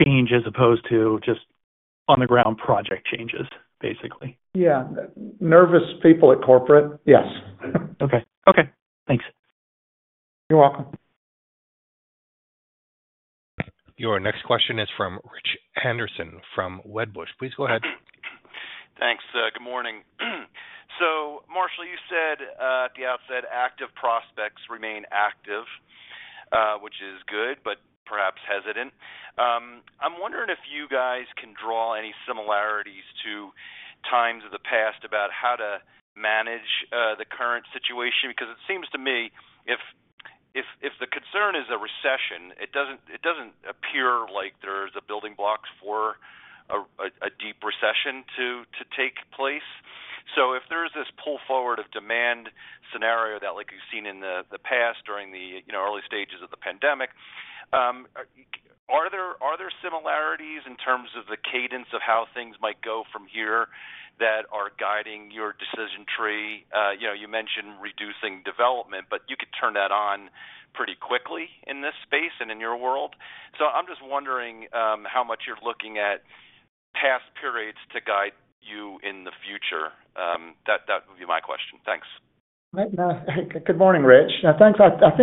change as opposed to just on-the-ground project changes, basically. Yeah. Nervous people at corporate, yes. Okay. Okay. Thanks. You're welcome. Your next question is from Rich Anderson from Wedbush. Please go ahead. Thanks. Good morning. Marshall, you said at the outset, active prospects remain active, which is good, but perhaps hesitant. I'm wondering if you guys can draw any similarities to times of the past about how to manage the current situation because it seems to me if the concern is a recession, it doesn't appear like there's a building blocks for a deep recession to take place. If there's this pull forward of demand scenario that, like you've seen in the past during the early stages of the pandemic, are there similarities in terms of the cadence of how things might go from here that are guiding your decision tree? You mentioned reducing development, but you could turn that on pretty quickly in this space and in your world. I'm just wondering how much you're looking at past periods to guide you in the future. That would be my question. Thanks. Good morning, Rich. Thanks. I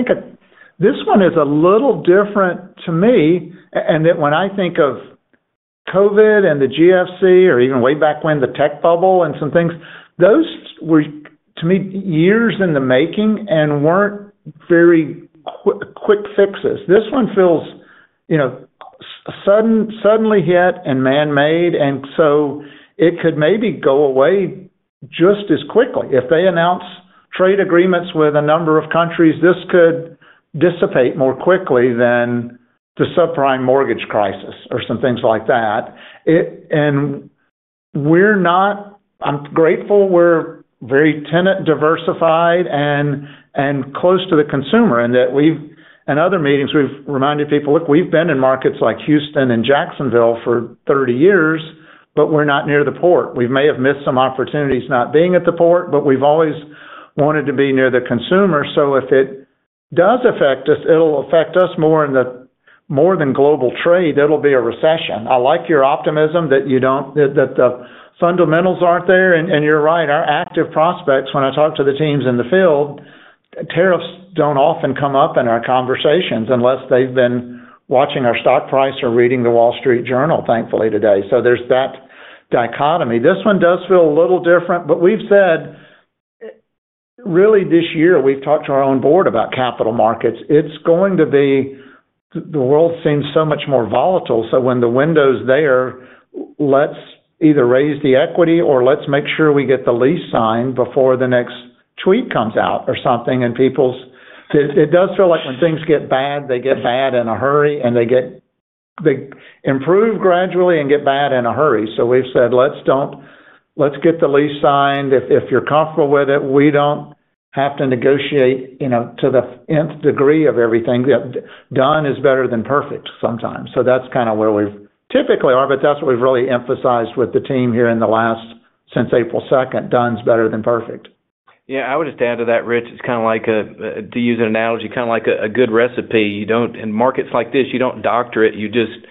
think this one is a little different to me. When I think of COVID and the GFC or even way back when the tech bubble and some things, those were, to me, years in the making and were not very quick fixes. This one feels suddenly hit and man-made. It could maybe go away just as quickly. If they announce trade agreements with a number of countries, this could dissipate more quickly than the subprime mortgage crisis or some things like that. I am grateful we are very tenant diversified and close to the consumer in that we have, in other meetings, reminded people, "Look, we have been in markets like Houston and Jacksonville for 30 years, but we are not near the port." We may have missed some opportunities not being at the port, but we have always wanted to be near the consumer. If it does affect us, it'll affect us more than global trade. It'll be a recession. I like your optimism that the fundamentals aren't there. You're right. Our active prospects, when I talk to the teams in the field, tariffs don't often come up in our conversations unless they've been watching our stock price or reading the Wall Street Journal, thankfully, today. There's that dichotomy. This one does feel a little different, but we've said really this year, we've talked to our own board about capital markets. It's going to be the world seems so much more volatile. When the window's there, let's either raise the equity or let's make sure we get the lease signed before the next tweet comes out or something. It does feel like when things get bad, they get bad in a hurry, and they improve gradually and get bad in a hurry. We have said, "Let's get the lease signed. If you're comfortable with it, we do not have to negotiate to the nth degree of everything. Done is better than perfect sometimes." That is kind of where we typically are, but that is what we have really emphasized with the team here in the last since April 2nd. Done is better than perfect. Yeah. I would just add to that, Rich, it's kind of like, to use an analogy, kind of like a good recipe. In markets like this, you don't doctor it. If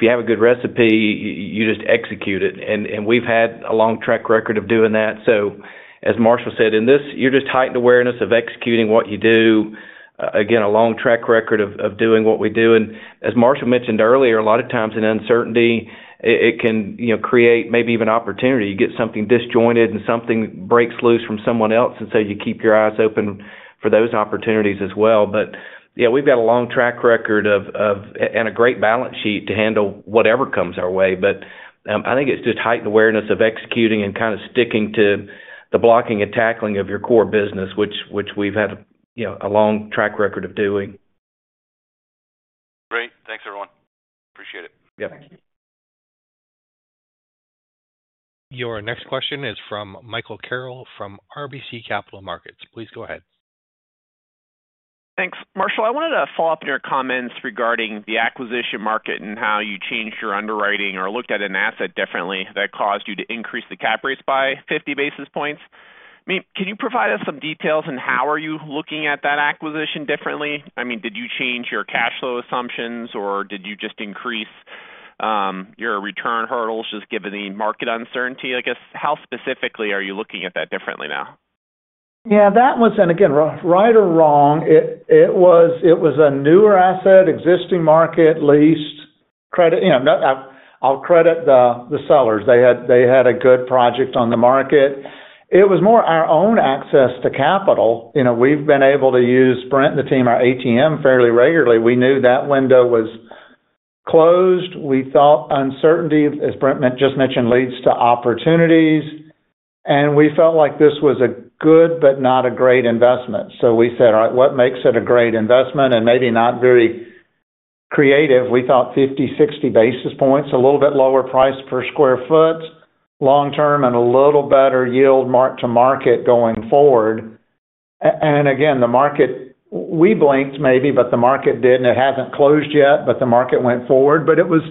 you have a good recipe, you just execute it. And we've had a long track record of doing that. As Marshall said, in this, you're just heightened awareness of executing what you do. Again, a long track record of doing what we do. As Marshall mentioned earlier, a lot of times in uncertainty, it can create maybe even opportunity. You get something disjointed and something breaks loose from someone else. You keep your eyes open for those opportunities as well. Yeah, we've got a long track record and a great balance sheet to handle whatever comes our way. I think it's just heightened awareness of executing and kind of sticking to the blocking and tackling of your core business, which we've had a long track record of doing. Great. Thanks, everyone. Appreciate it. Thank you. Your next question is from Michael Carroll from RBC Capital Markets. Please go ahead. Thanks. Marshall, I wanted to follow up on your comments regarding the acquisition market and how you changed your underwriting or looked at an asset differently that caused you to increase the cap rates by 50 basis points. Can you provide us some details on how are you looking at that acquisition differently? I mean, did you change your cash flow assumptions, or did you just increase your return hurdles just given the market uncertainty? I guess, how specifically are you looking at that differently now? Yeah. Again, right or wrong, it was a newer asset, existing market, leased. I'll credit the sellers. They had a good project on the market. It was more our own access to capital. We've been able to use Brent and the team, our ATM, fairly regularly. We knew that window was closed. We thought uncertainty, as Brent just mentioned, leads to opportunities. We felt like this was a good but not a great investment. We said, "All right, what makes it a great investment?" Maybe not very creative. We thought 50-60 basis points, a little bit lower price per square foot, long-term, and a little better yield mark-to-market going forward. Again, the market, we blinked maybe, but the market did not. It has not closed yet, but the market went forward. It was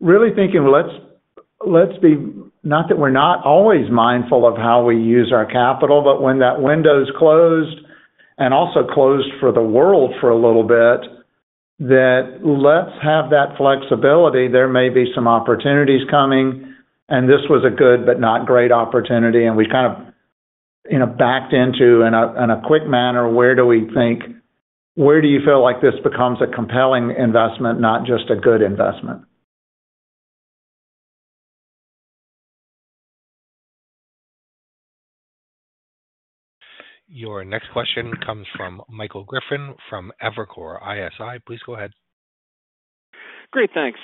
really thinking, "Let's be, not that we're not always mindful of how we use our capital, but when that window's closed and also closed for the world for a little bit, let's have that flexibility. There may be some opportunities coming." This was a good but not great opportunity. We kind of backed into, in a quick manner, "Where do we think, where do you feel like this becomes a compelling investment, not just a good investment? Your next question comes from Michael Griffin from Evercore ISI. Please go ahead. Great. Thanks.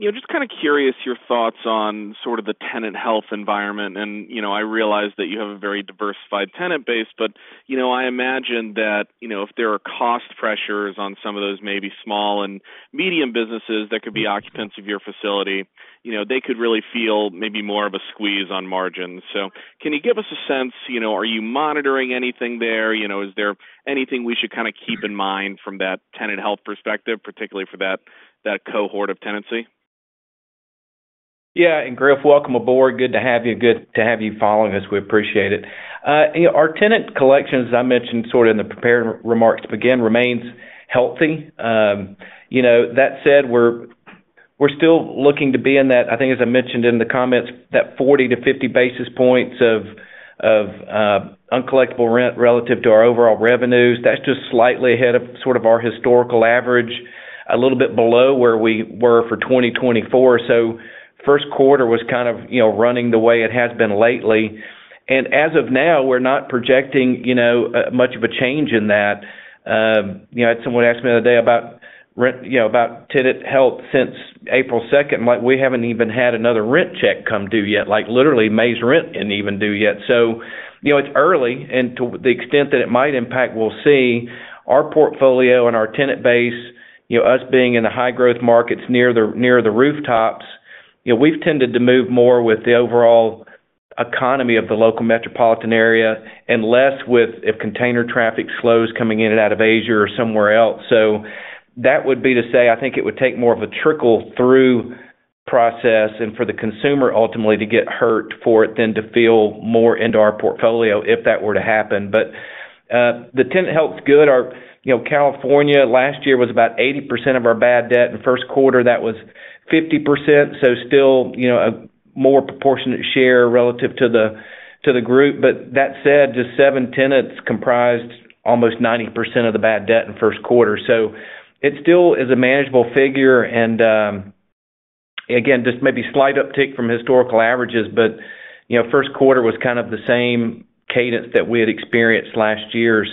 Just kind of curious your thoughts on sort of the tenant health environment. I realize that you have a very diversified tenant base, but I imagine that if there are cost pressures on some of those maybe small and medium businesses that could be occupants of your facility, they could really feel maybe more of a squeeze on margins. Can you give us a sense? Are you monitoring anything there? Is there anything we should kind of keep in mind from that tenant health perspective, particularly for that cohort of tenancy? Yeah. And Griff, welcome aboard. Good to have you. Good to have you following us. We appreciate it. Our tenant collections, as I mentioned sort of in the prepared remarks to begin, remains healthy. That said, we're still looking to be in that, I think, as I mentioned in the comments, that 40-50 basis points of uncollectible rent relative to our overall revenues. That's just slightly ahead of sort of our historical average, a little bit below where we were for 2024. First quarter was kind of running the way it has been lately. As of now, we're not projecting much of a change in that. Someone asked me the other day about tenant health since April 2nd. We haven't even had another rent check come due yet. Literally, May's rent did not even due yet. It is early. To the extent that it might impact, we'll see. Our portfolio and our tenant base, us being in the high-growth markets near the rooftops, we've tended to move more with the overall economy of the local metropolitan area and less with if container traffic slows coming in and out of Asia or somewhere else. That would be to say, I think it would take more of a trickle-through process and for the consumer ultimately to get hurt for it then to feel more into our portfolio if that were to happen. The tenant health's good. California last year was about 80% of our bad debt. In first quarter, that was 50%. Still a more proportionate share relative to the group. That said, just seven tenants comprised almost 90% of the bad debt in first quarter. It still is a manageable figure. Just maybe slight uptick from historical averages, but first quarter was kind of the same cadence that we had experienced last year.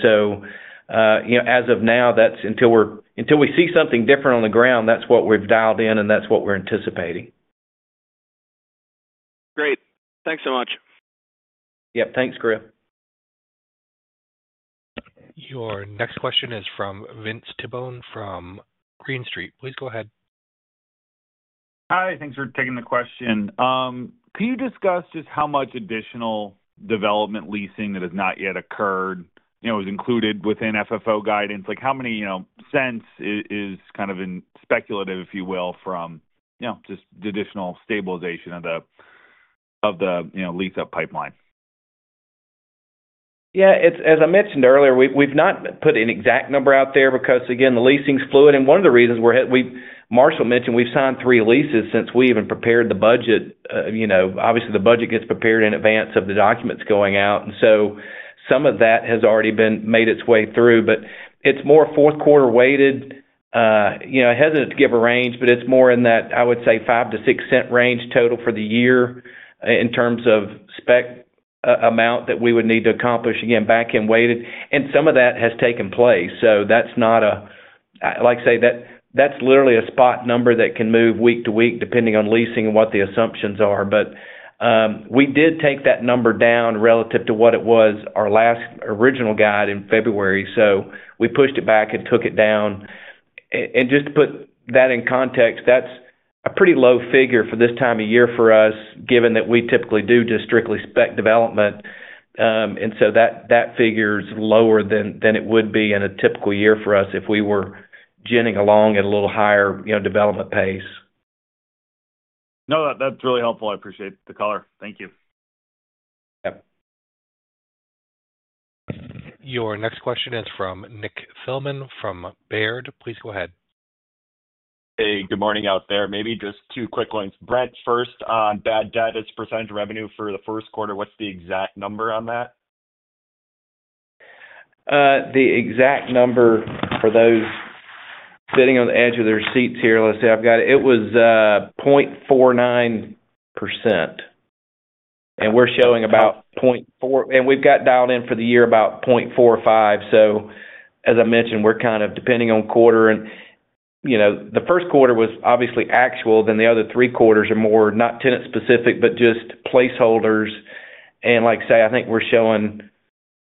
As of now, that's until we see something different on the ground, that's what we've dialed in and that's what we're anticipating. Great. Thanks so much. Yep. Thanks, Griff. Your next question is from Vince Tibone from Green Street. Please go ahead. Hi. Thanks for taking the question. Can you discuss just how much additional development leasing that has not yet occurred is included within FFO guidance? How many cents is kind of speculative, if you will, from just additional stabilization of the lease-up pipeline? Yeah. As I mentioned earlier, we've not put an exact number out there because, again, the leasing's fluid. One of the reasons Marshall mentioned, we've signed three leases since we even prepared the budget. Obviously, the budget gets prepared in advance of the documents going out. Some of that has already made its way through. It is more fourth quarter weighted. I hesitate to give a range, but it is more in that, I would say, $0.05-$0.06 range total for the year in terms of spec amount that we would need to accomplish, again, back-end weighted. Some of that has taken place. That is, like I say, literally a spot number that can move week to week depending on leasing and what the assumptions are. We did take that number down relative to what it was our last original guide in February. We pushed it back and took it down. Just to put that in context, that is a pretty low figure for this time of year for us, given that we typically do just strictly spec development. That figure is lower than it would be in a typical year for us if we were ginning along at a little higher development pace. No, that's really helpful. I appreciate the color. Thank you. Yep. Your next question is from Nick Thillman from Baird. Please go ahead. Hey, good morning out there. Maybe just two quick ones. Brent, first, on bad debt, its percentage revenue for the first quarter. What's the exact number on that? The exact number for those sitting on the edge of their seats here, let's see. I've got it. It was 0.49%. And we're showing about 0.4%. And we've got dialed in for the year about 0.45%. As I mentioned, we're kind of depending on quarter. The first quarter was obviously actual. The other three quarters are more not tenant-specific, but just placeholders. Like I say, I think we're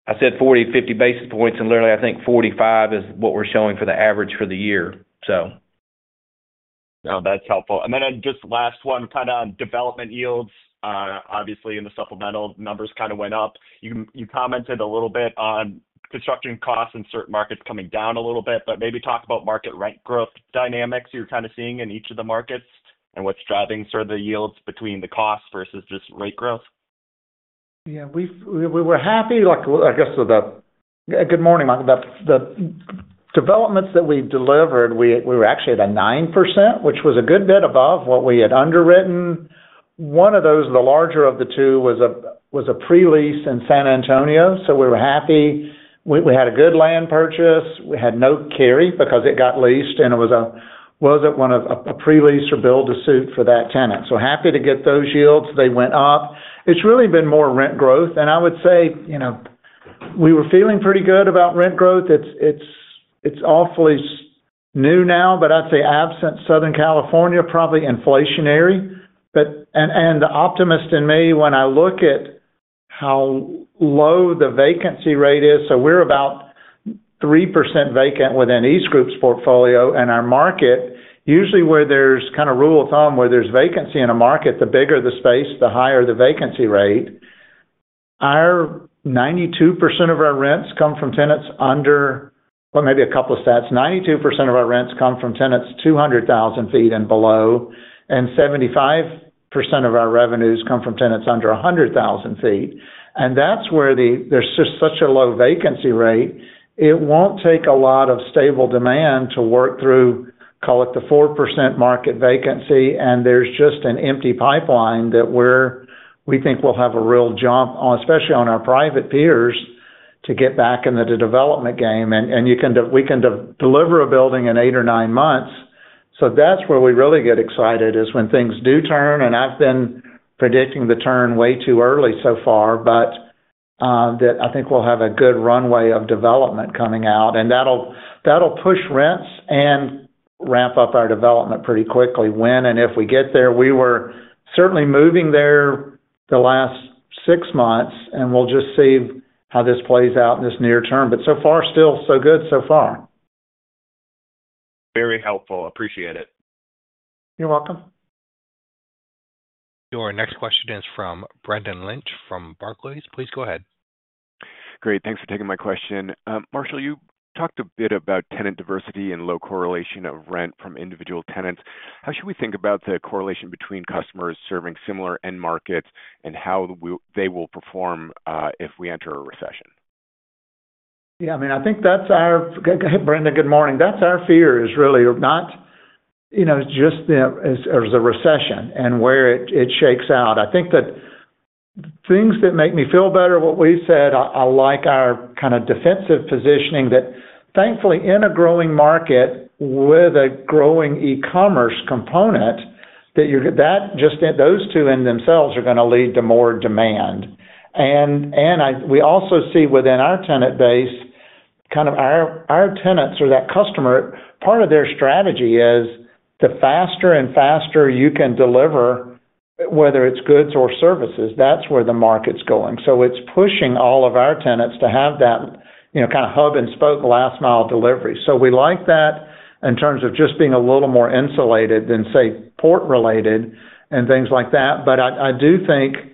showing I said 40-50 basis points. Literally, I think 45 is what we're showing for the average for the year, so. No, that's helpful. Just last one, kind of development yields, obviously, in the supplemental numbers kind of went up. You commented a little bit on construction costs in certain markets coming down a little bit, but maybe talk about market rent growth dynamics you're kind of seeing in each of the markets and what's driving sort of the yields between the cost versus just rate growth. Yeah. We were happy, I guess, with the good morning, Michael. The developments that we delivered, we were actually at a 9%, which was a good bit above what we had underwritten. One of those, the larger of the two, was a pre-lease in San Antonio. We were happy. We had a good land purchase. We had no carry because it got leased. It was not one of a pre-lease or build-to-suit for that tenant. Happy to get those yields. They went up. It has really been more rent growth. I would say we were feeling pretty good about rent growth. It is awfully new now, but I would say absent Southern California, probably inflationary. The optimist in me, when I look at how low the vacancy rate is, we are about 3% vacant within EastGroups' portfolio. Our market, usually where there is kind of a rule of thumb, where there is vacancy in a market, the bigger the space, the higher the vacancy rate. 92% of our rents come from tenants under, well, maybe a couple of stats. 92% of our rents come from tenants 200,000 sq ft and below. 75% of our revenues come from tenants under 100,000 sq ft. That is where there is just such a low vacancy rate. It will not take a lot of stable demand to work through, call it the 4% market vacancy. There is just an empty pipeline that we think will have a real jump, especially on our private peers, to get back in the development game. We can deliver a building in eight or nine months. That is where we really get excited, is when things do turn. I have been predicting the turn way too early so far, but I think we will have a good runway of development coming out. That will push rents and ramp up our development pretty quickly when and if we get there. We were certainly moving there the last six months. We will just see how this plays out in this near term. So far, still so good so far. Very helpful. Appreciate it. You're welcome. Your next question is from Brendan Lynch from Barclays. Please go ahead. Great. Thanks for taking my question. Marshall, you talked a bit about tenant diversity and low correlation of rent from individual tenants. How should we think about the correlation between customers serving similar end markets and how they will perform if we enter a recession? Yeah. I mean, I think that's our, Brendan, good morning. That's our fear is really not just as a recession and where it shakes out. I think that things that make me feel better, what we said, I like our kind of defensive positioning that, thankfully, in a growing market with a growing e-commerce component, that just those two in themselves are going to lead to more demand. And we also see within our tenant base, kind of our tenants or that customer, part of their strategy is the faster and faster you can deliver, whether it's goods or services. That's where the market's going. It is pushing all of our tenants to have that kind of hub-and-spoke last-mile delivery. We like that in terms of just being a little more insulated than, say, port-related and things like that. I do think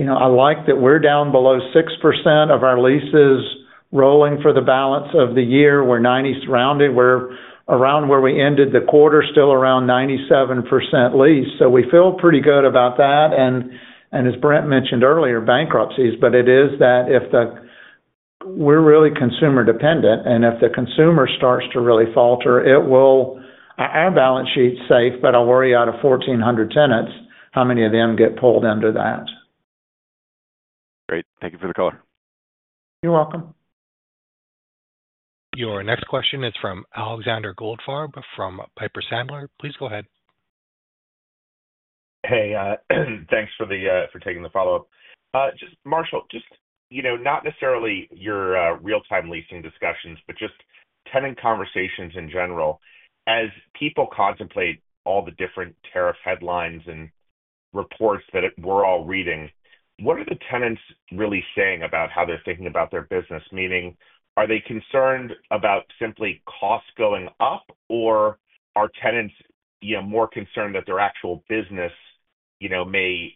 I like that we're down below 6% of our leases rolling for the balance of the year. We're 90 surrounded. We're around where we ended the quarter, still around 97% leased. We feel pretty good about that. As Brent mentioned earlier, bankruptcies, but it is that if we're really consumer-dependent, and if the consumer starts to really falter, our balance sheet's safe, but I worry out of 1,400 tenants, how many of them get pulled under that? Great. Thank you for the color. You're welcome. Your next question is from Alexander Goldfarb from Piper Sandler. Please go ahead. Hey, thanks for taking the follow-up. Marshall, just not necessarily your real-time leasing discussions, but just tenant conversations in general. As people contemplate all the different tariff headlines and reports that we're all reading, what are the tenants really saying about how they're thinking about their business? Meaning, are they concerned about simply costs going up, or are tenants more concerned that their actual business may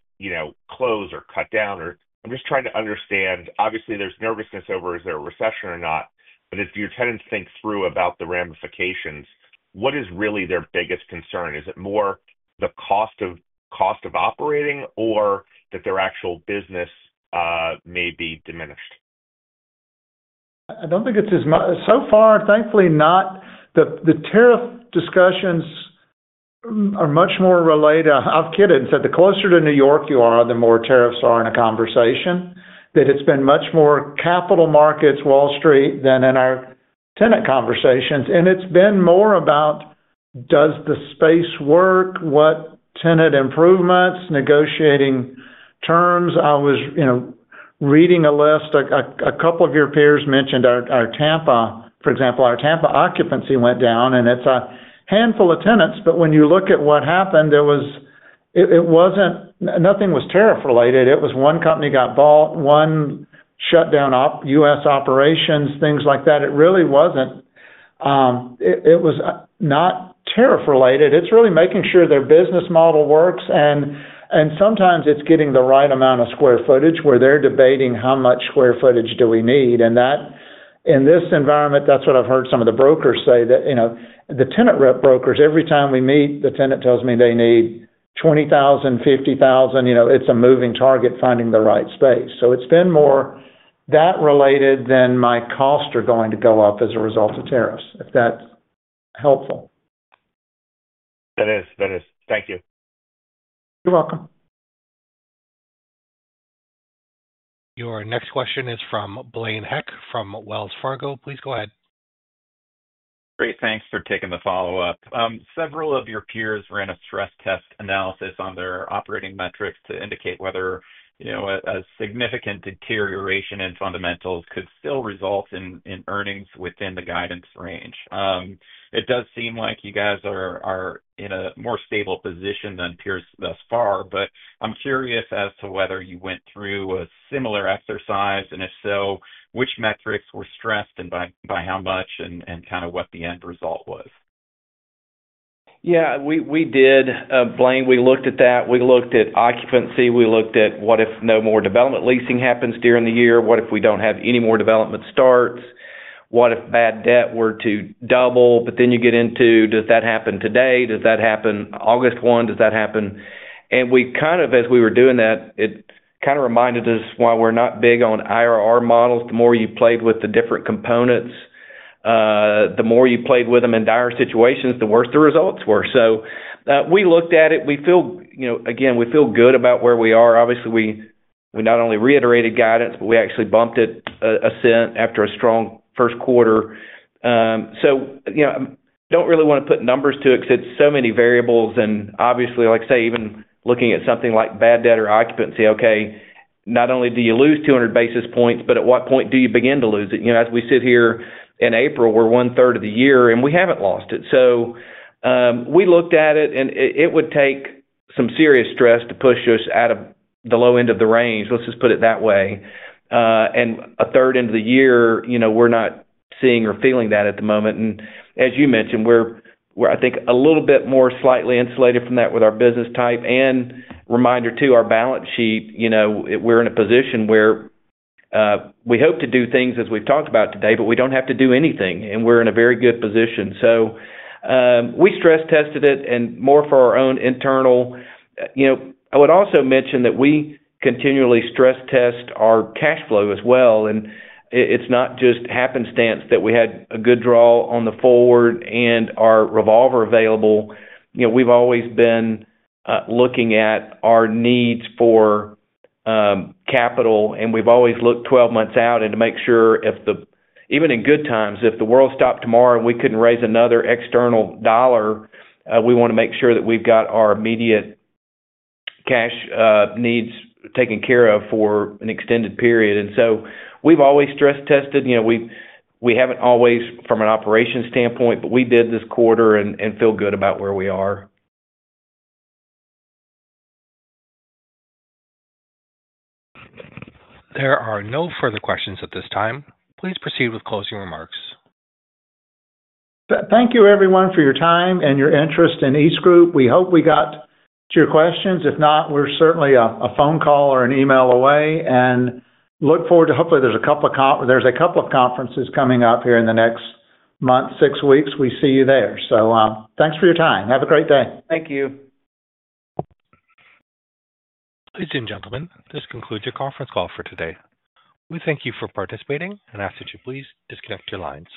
close or cut down? I'm just trying to understand. Obviously, there's nervousness over is there a recession or not. If your tenants think through about the ramifications, what is really their biggest concern? Is it more the cost of operating or that their actual business may be diminished? I don't think it's as much. So far, thankfully, not. The tariff discussions are much more related. I've kidded. I said the closer to New York you are, the more tariffs are in a conversation. That it's been much more capital markets, Wall Street, than in our tenant conversations. It's been more about does the space work, what tenant improvements, negotiating terms. I was reading a list. A couple of your peers mentioned our Tampa, for example. Our Tampa occupancy went down, and it's a handful of tenants. When you look at what happened, nothing was tariff-related. It was one company got bought, one shut down US operations, things like that. It really was not tariff-related. It's really making sure their business model works. Sometimes it's getting the right amount of square footage where they're debating how much square footage do we need. In this environment, that's what I've heard some of the brokers say, that the tenant brokers, every time we meet, the tenant tells me they need 20,000, 50,000. It's a moving target, finding the right space. It's been more that related than my costs are going to go up as a result of tariffs, if that's helpful. Thank you. You're welcome. Your next question is from Blaine Heck from Wells Fargo. Please go ahead. Great. Thanks for taking the follow-up. Several of your peers ran a stress test analysis on their operating metrics to indicate whether a significant deterioration in fundamentals could still result in earnings within the guidance range. It does seem like you guys are in a more stable position than peers thus far. I am curious as to whether you went through a similar exercise. If so, which metrics were stressed and by how much and kind of what the end result was? Yeah. Blaine, we looked at that. We looked at occupancy. We looked at what if no more development leasing happens during the year? What if we do not have any more development starts? What if bad debt were to double? You get into, does that happen today? Does that happen August 1? Does that happen? As we were doing that, it kind of reminded us why we are not big on IRR models. The more you played with the different components, the more you played with them in dire situations, the worse the results were. We looked at it. Again, we feel good about where we are. Obviously, we not only reiterated guidance, but we actually bumped it a cent after a strong first quarter. I do not really want to put numbers to it because it is so many variables. Obviously, like I say, even looking at something like bad debt or occupancy, not only do you lose 200 basis points, but at what point do you begin to lose it? As we sit here in April, we're one-third of the year, and we haven't lost it. We looked at it, and it would take some serious stress to push us out of the low end of the range. Let's just put it that way. A third into the year, we're not seeing or feeling that at the moment. As you mentioned, we're, I think, a little bit more slightly insulated from that with our business type. Reminder to our balance sheet, we're in a position where we hope to do things as we've talked about today, but we don't have to do anything. We're in a very good position. We stress tested it and more for our own internal. I would also mention that we continually stress test our cash flow as well. It is not just happenstance that we had a good draw on the forward and our revolver available. We have always been looking at our needs for capital. We have always looked 12 months out to make sure even in good times, if the world stopped tomorrow and we could not raise another external dollar, we want to make sure that we have our immediate cash needs taken care of for an extended period. We have always stress tested. We have not always from an operation standpoint, but we did this quarter and feel good about where we are. There are no further questions at this time. Please proceed with closing remarks. Thank you, everyone, for your time and your interest in EastGroup. We hope we got to your questions. If not, we are certainly a phone call or an email away. We look forward to hopefully, there is a couple of conferences coming up here in the next month, six weeks. We see you there. Thanks for your time. Have a great day. Thank you. Ladies and gentlemen, this concludes your conference call for today. We thank you for participating and ask that you please disconnect your lines.